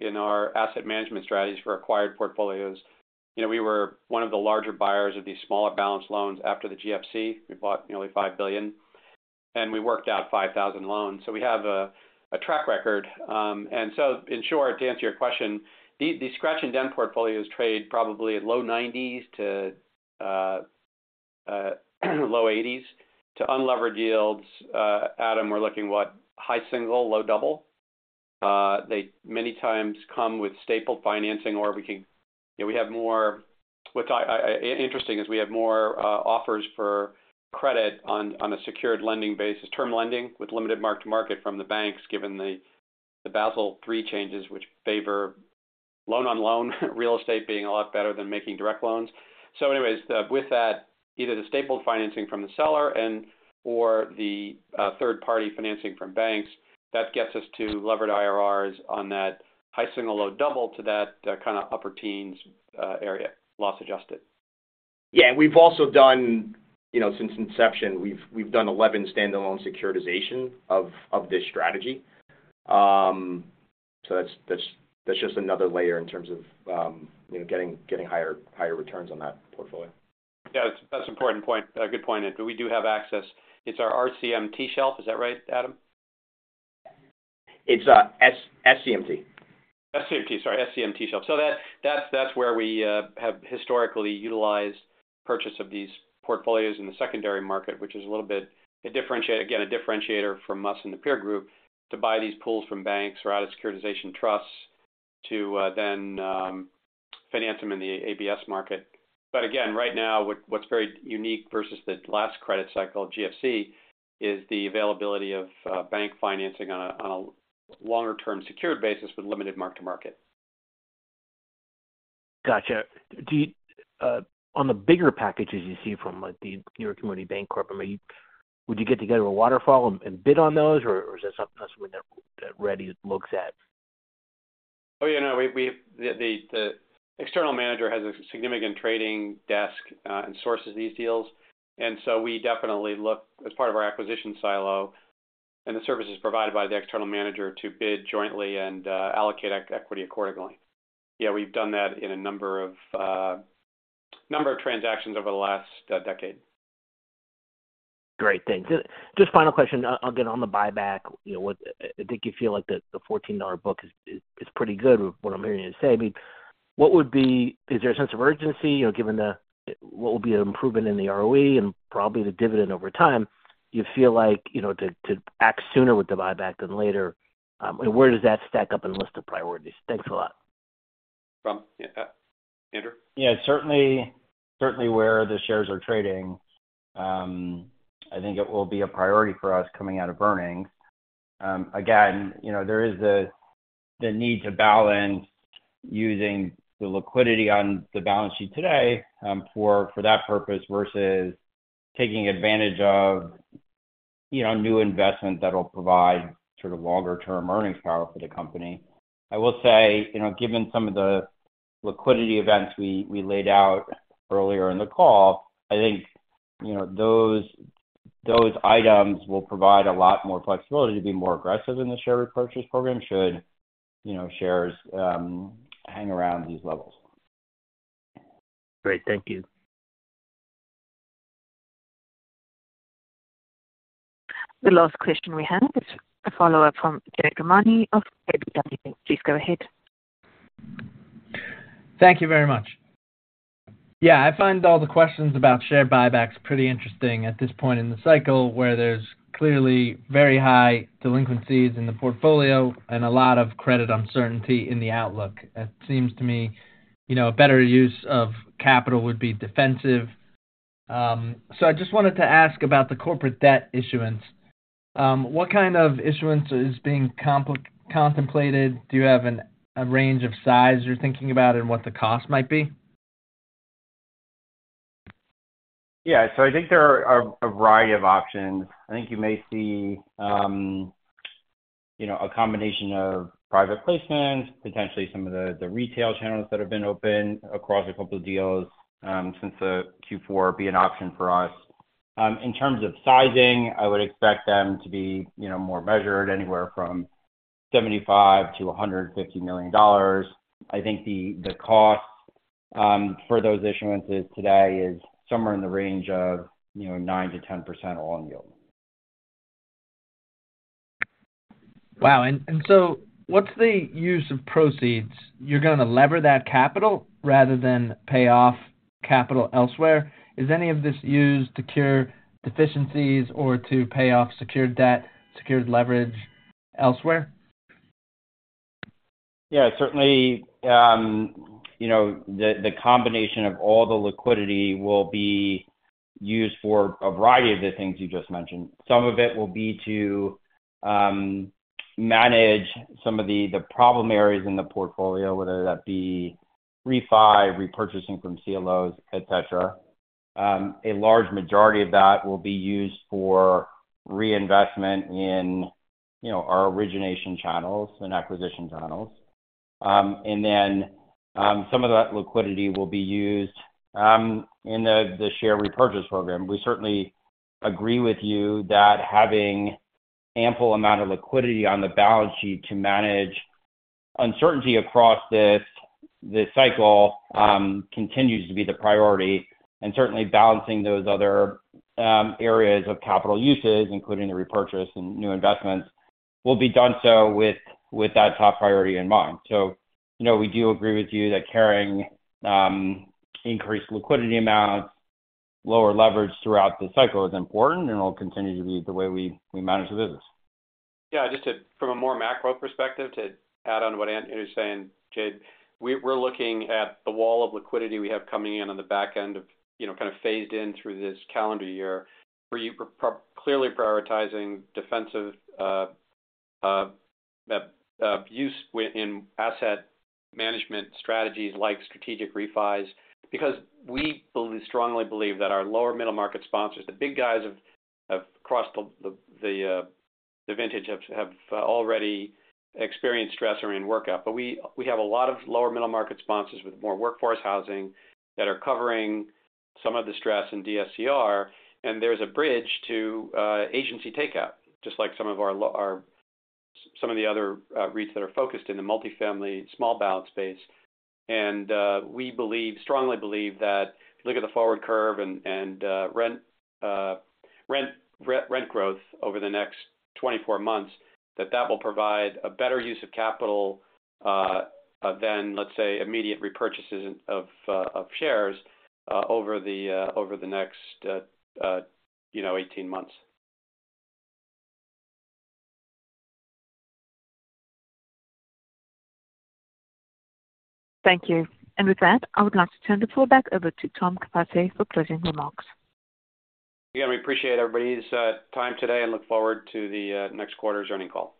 in our asset management strategies for acquired portfolios, we were one of the larger buyers of these smaller balance loans after the GFC. We bought nearly $5 billion. And we worked out 5,000 loans. So we have a track record. And so in short, to answer your question, these scratch and dent portfolios trade probably at low 90s to low 80s to unlevered yields. Adam, we're looking what, high single, low double? They many times come with stapled financing or we have more. What's interesting is we have more offers for credit on a secured lending basis, term lending with limited mark-to-market from the banks given the Basel III changes, which favor loan-on-loan real estate being a lot better than making direct loans. So anyways, with that, either the stapled financing from the seller or the third-party financing from banks, that gets us to levered IRRs on that high single, low double to that kind of upper teens area, loss adjusted. Yeah. We've also done, since inception, 11 standalone securitization of this strategy. That's just another layer in terms of getting higher returns on that portfolio. Yeah. That's an important point. Good point, Andrew. We do have access. It's our SCMT shelf. Is that right, Adam? It's SCMT. SCMT. Sorry. SCMT Shelf. So that's where we have historically utilized purchase of these portfolios in the secondary market, which is a little bit, again, a differentiator from us in the peer group to buy these pools from banks or out of securitization trusts to then finance them in the ABS market. But again, right now, what's very unique versus the last credit cycle, GFC, is the availability of bank financing on a longer-term secured basis with limited mark-to-market. Gotcha. On the bigger packages you see from the New York Community Bancorp, would you get together with Waterfall and bid on those, or is that something that Ready looks at? Oh, yeah. No. The external manager has a significant trading desk and sources these deals. And so we definitely look as part of our acquisition silo, and the services provided by the external manager to bid jointly and allocate equity accordingly. Yeah. We've done that in a number of transactions over the last decade. Great. Thanks. Just final question. Again, on the buyback, I think you feel like the $14 book is pretty good with what I'm hearing you say. I mean, is there a sense of urgency given what will be an improvement in the ROE and probably the dividend over time? Do you feel like to act sooner with the buyback than later? And where does that stack up in the list of priorities? Thanks a lot. Yeah. Andrew? Yeah. Certainly where the shares are trading, I think it will be a priority for us coming out of earnings. Again, there is the need to balance using the liquidity on the balance sheet today for that purpose versus taking advantage of new investment that'll provide sort of longer-term earnings power for the company. I will say, given some of the liquidity events we laid out earlier in the call, I think those items will provide a lot more flexibility to be more aggressive in the share repurchase program should shares hang around these levels. Great. Thank you. The last question we have is a follow-up from Jade Rahmani of KBW. Please go ahead. Thank you very much. Yeah. I find all the questions about share buybacks pretty interesting at this point in the cycle where there's clearly very high delinquencies in the portfolio and a lot of credit uncertainty in the outlook. It seems to me a better use of capital would be defensive. So I just wanted to ask about the corporate debt issuance. What kind of issuance is being contemplated? Do you have a range of size you're thinking about and what the cost might be? Yeah. So I think there are a variety of options. I think you may see a combination of private placements, potentially some of the retail channels that have been open across a couple of deals since Q4 be an option for us. In terms of sizing, I would expect them to be more measured anywhere from $75 million-$150 million. I think the cost for those issuances today is somewhere in the range of 9%-10% all-in yield. Wow. So what's the use of proceeds? You're going to lever that capital rather than pay off capital elsewhere. Is any of this used to cure deficiencies or to pay off secured debt, secured leverage elsewhere? Yeah. Certainly, the combination of all the liquidity will be used for a variety of the things you just mentioned. Some of it will be to manage some of the problem areas in the portfolio, whether that be refi, repurchasing from CLOs, etc. A large majority of that will be used for reinvestment in our origination channels and acquisition channels. And then some of that liquidity will be used in the share repurchase program. We certainly agree with you that having an ample amount of liquidity on the balance sheet to manage uncertainty across this cycle continues to be the priority. And certainly, balancing those other areas of capital uses, including the repurchase and new investments, will be done so with that top priority in mind. We do agree with you that carrying increased liquidity amounts, lower leverage throughout the cycle is important and will continue to be the way we manage the business. Yeah. Just from a more macro perspective, to add on what Andrew's saying, Jade, we're looking at the wall of liquidity we have coming in on the back end of kind of phased in through this calendar year. We're clearly prioritizing defensive use in asset management strategies like strategic refis because we strongly believe that our lower middle market sponsors, the big guys across the vintage, have already experienced stress or in workout. But we have a lot of lower middle market sponsors with more workforce housing that are covering some of the stress in DSCR. And there's a bridge to agency takeout, just like some of the other REITs that are focused in the multifamily small balance space. We strongly believe that if you look at the forward curve and rent growth over the next 24 months, that that will provide a better use of capital than, let's say, immediate repurchases of shares over the next 18 months. Thank you. With that, I would like to turn the floor back over to Tom Capasse for closing remarks. Again, we appreciate everybody's time today and look forward to the next quarter's earnings call.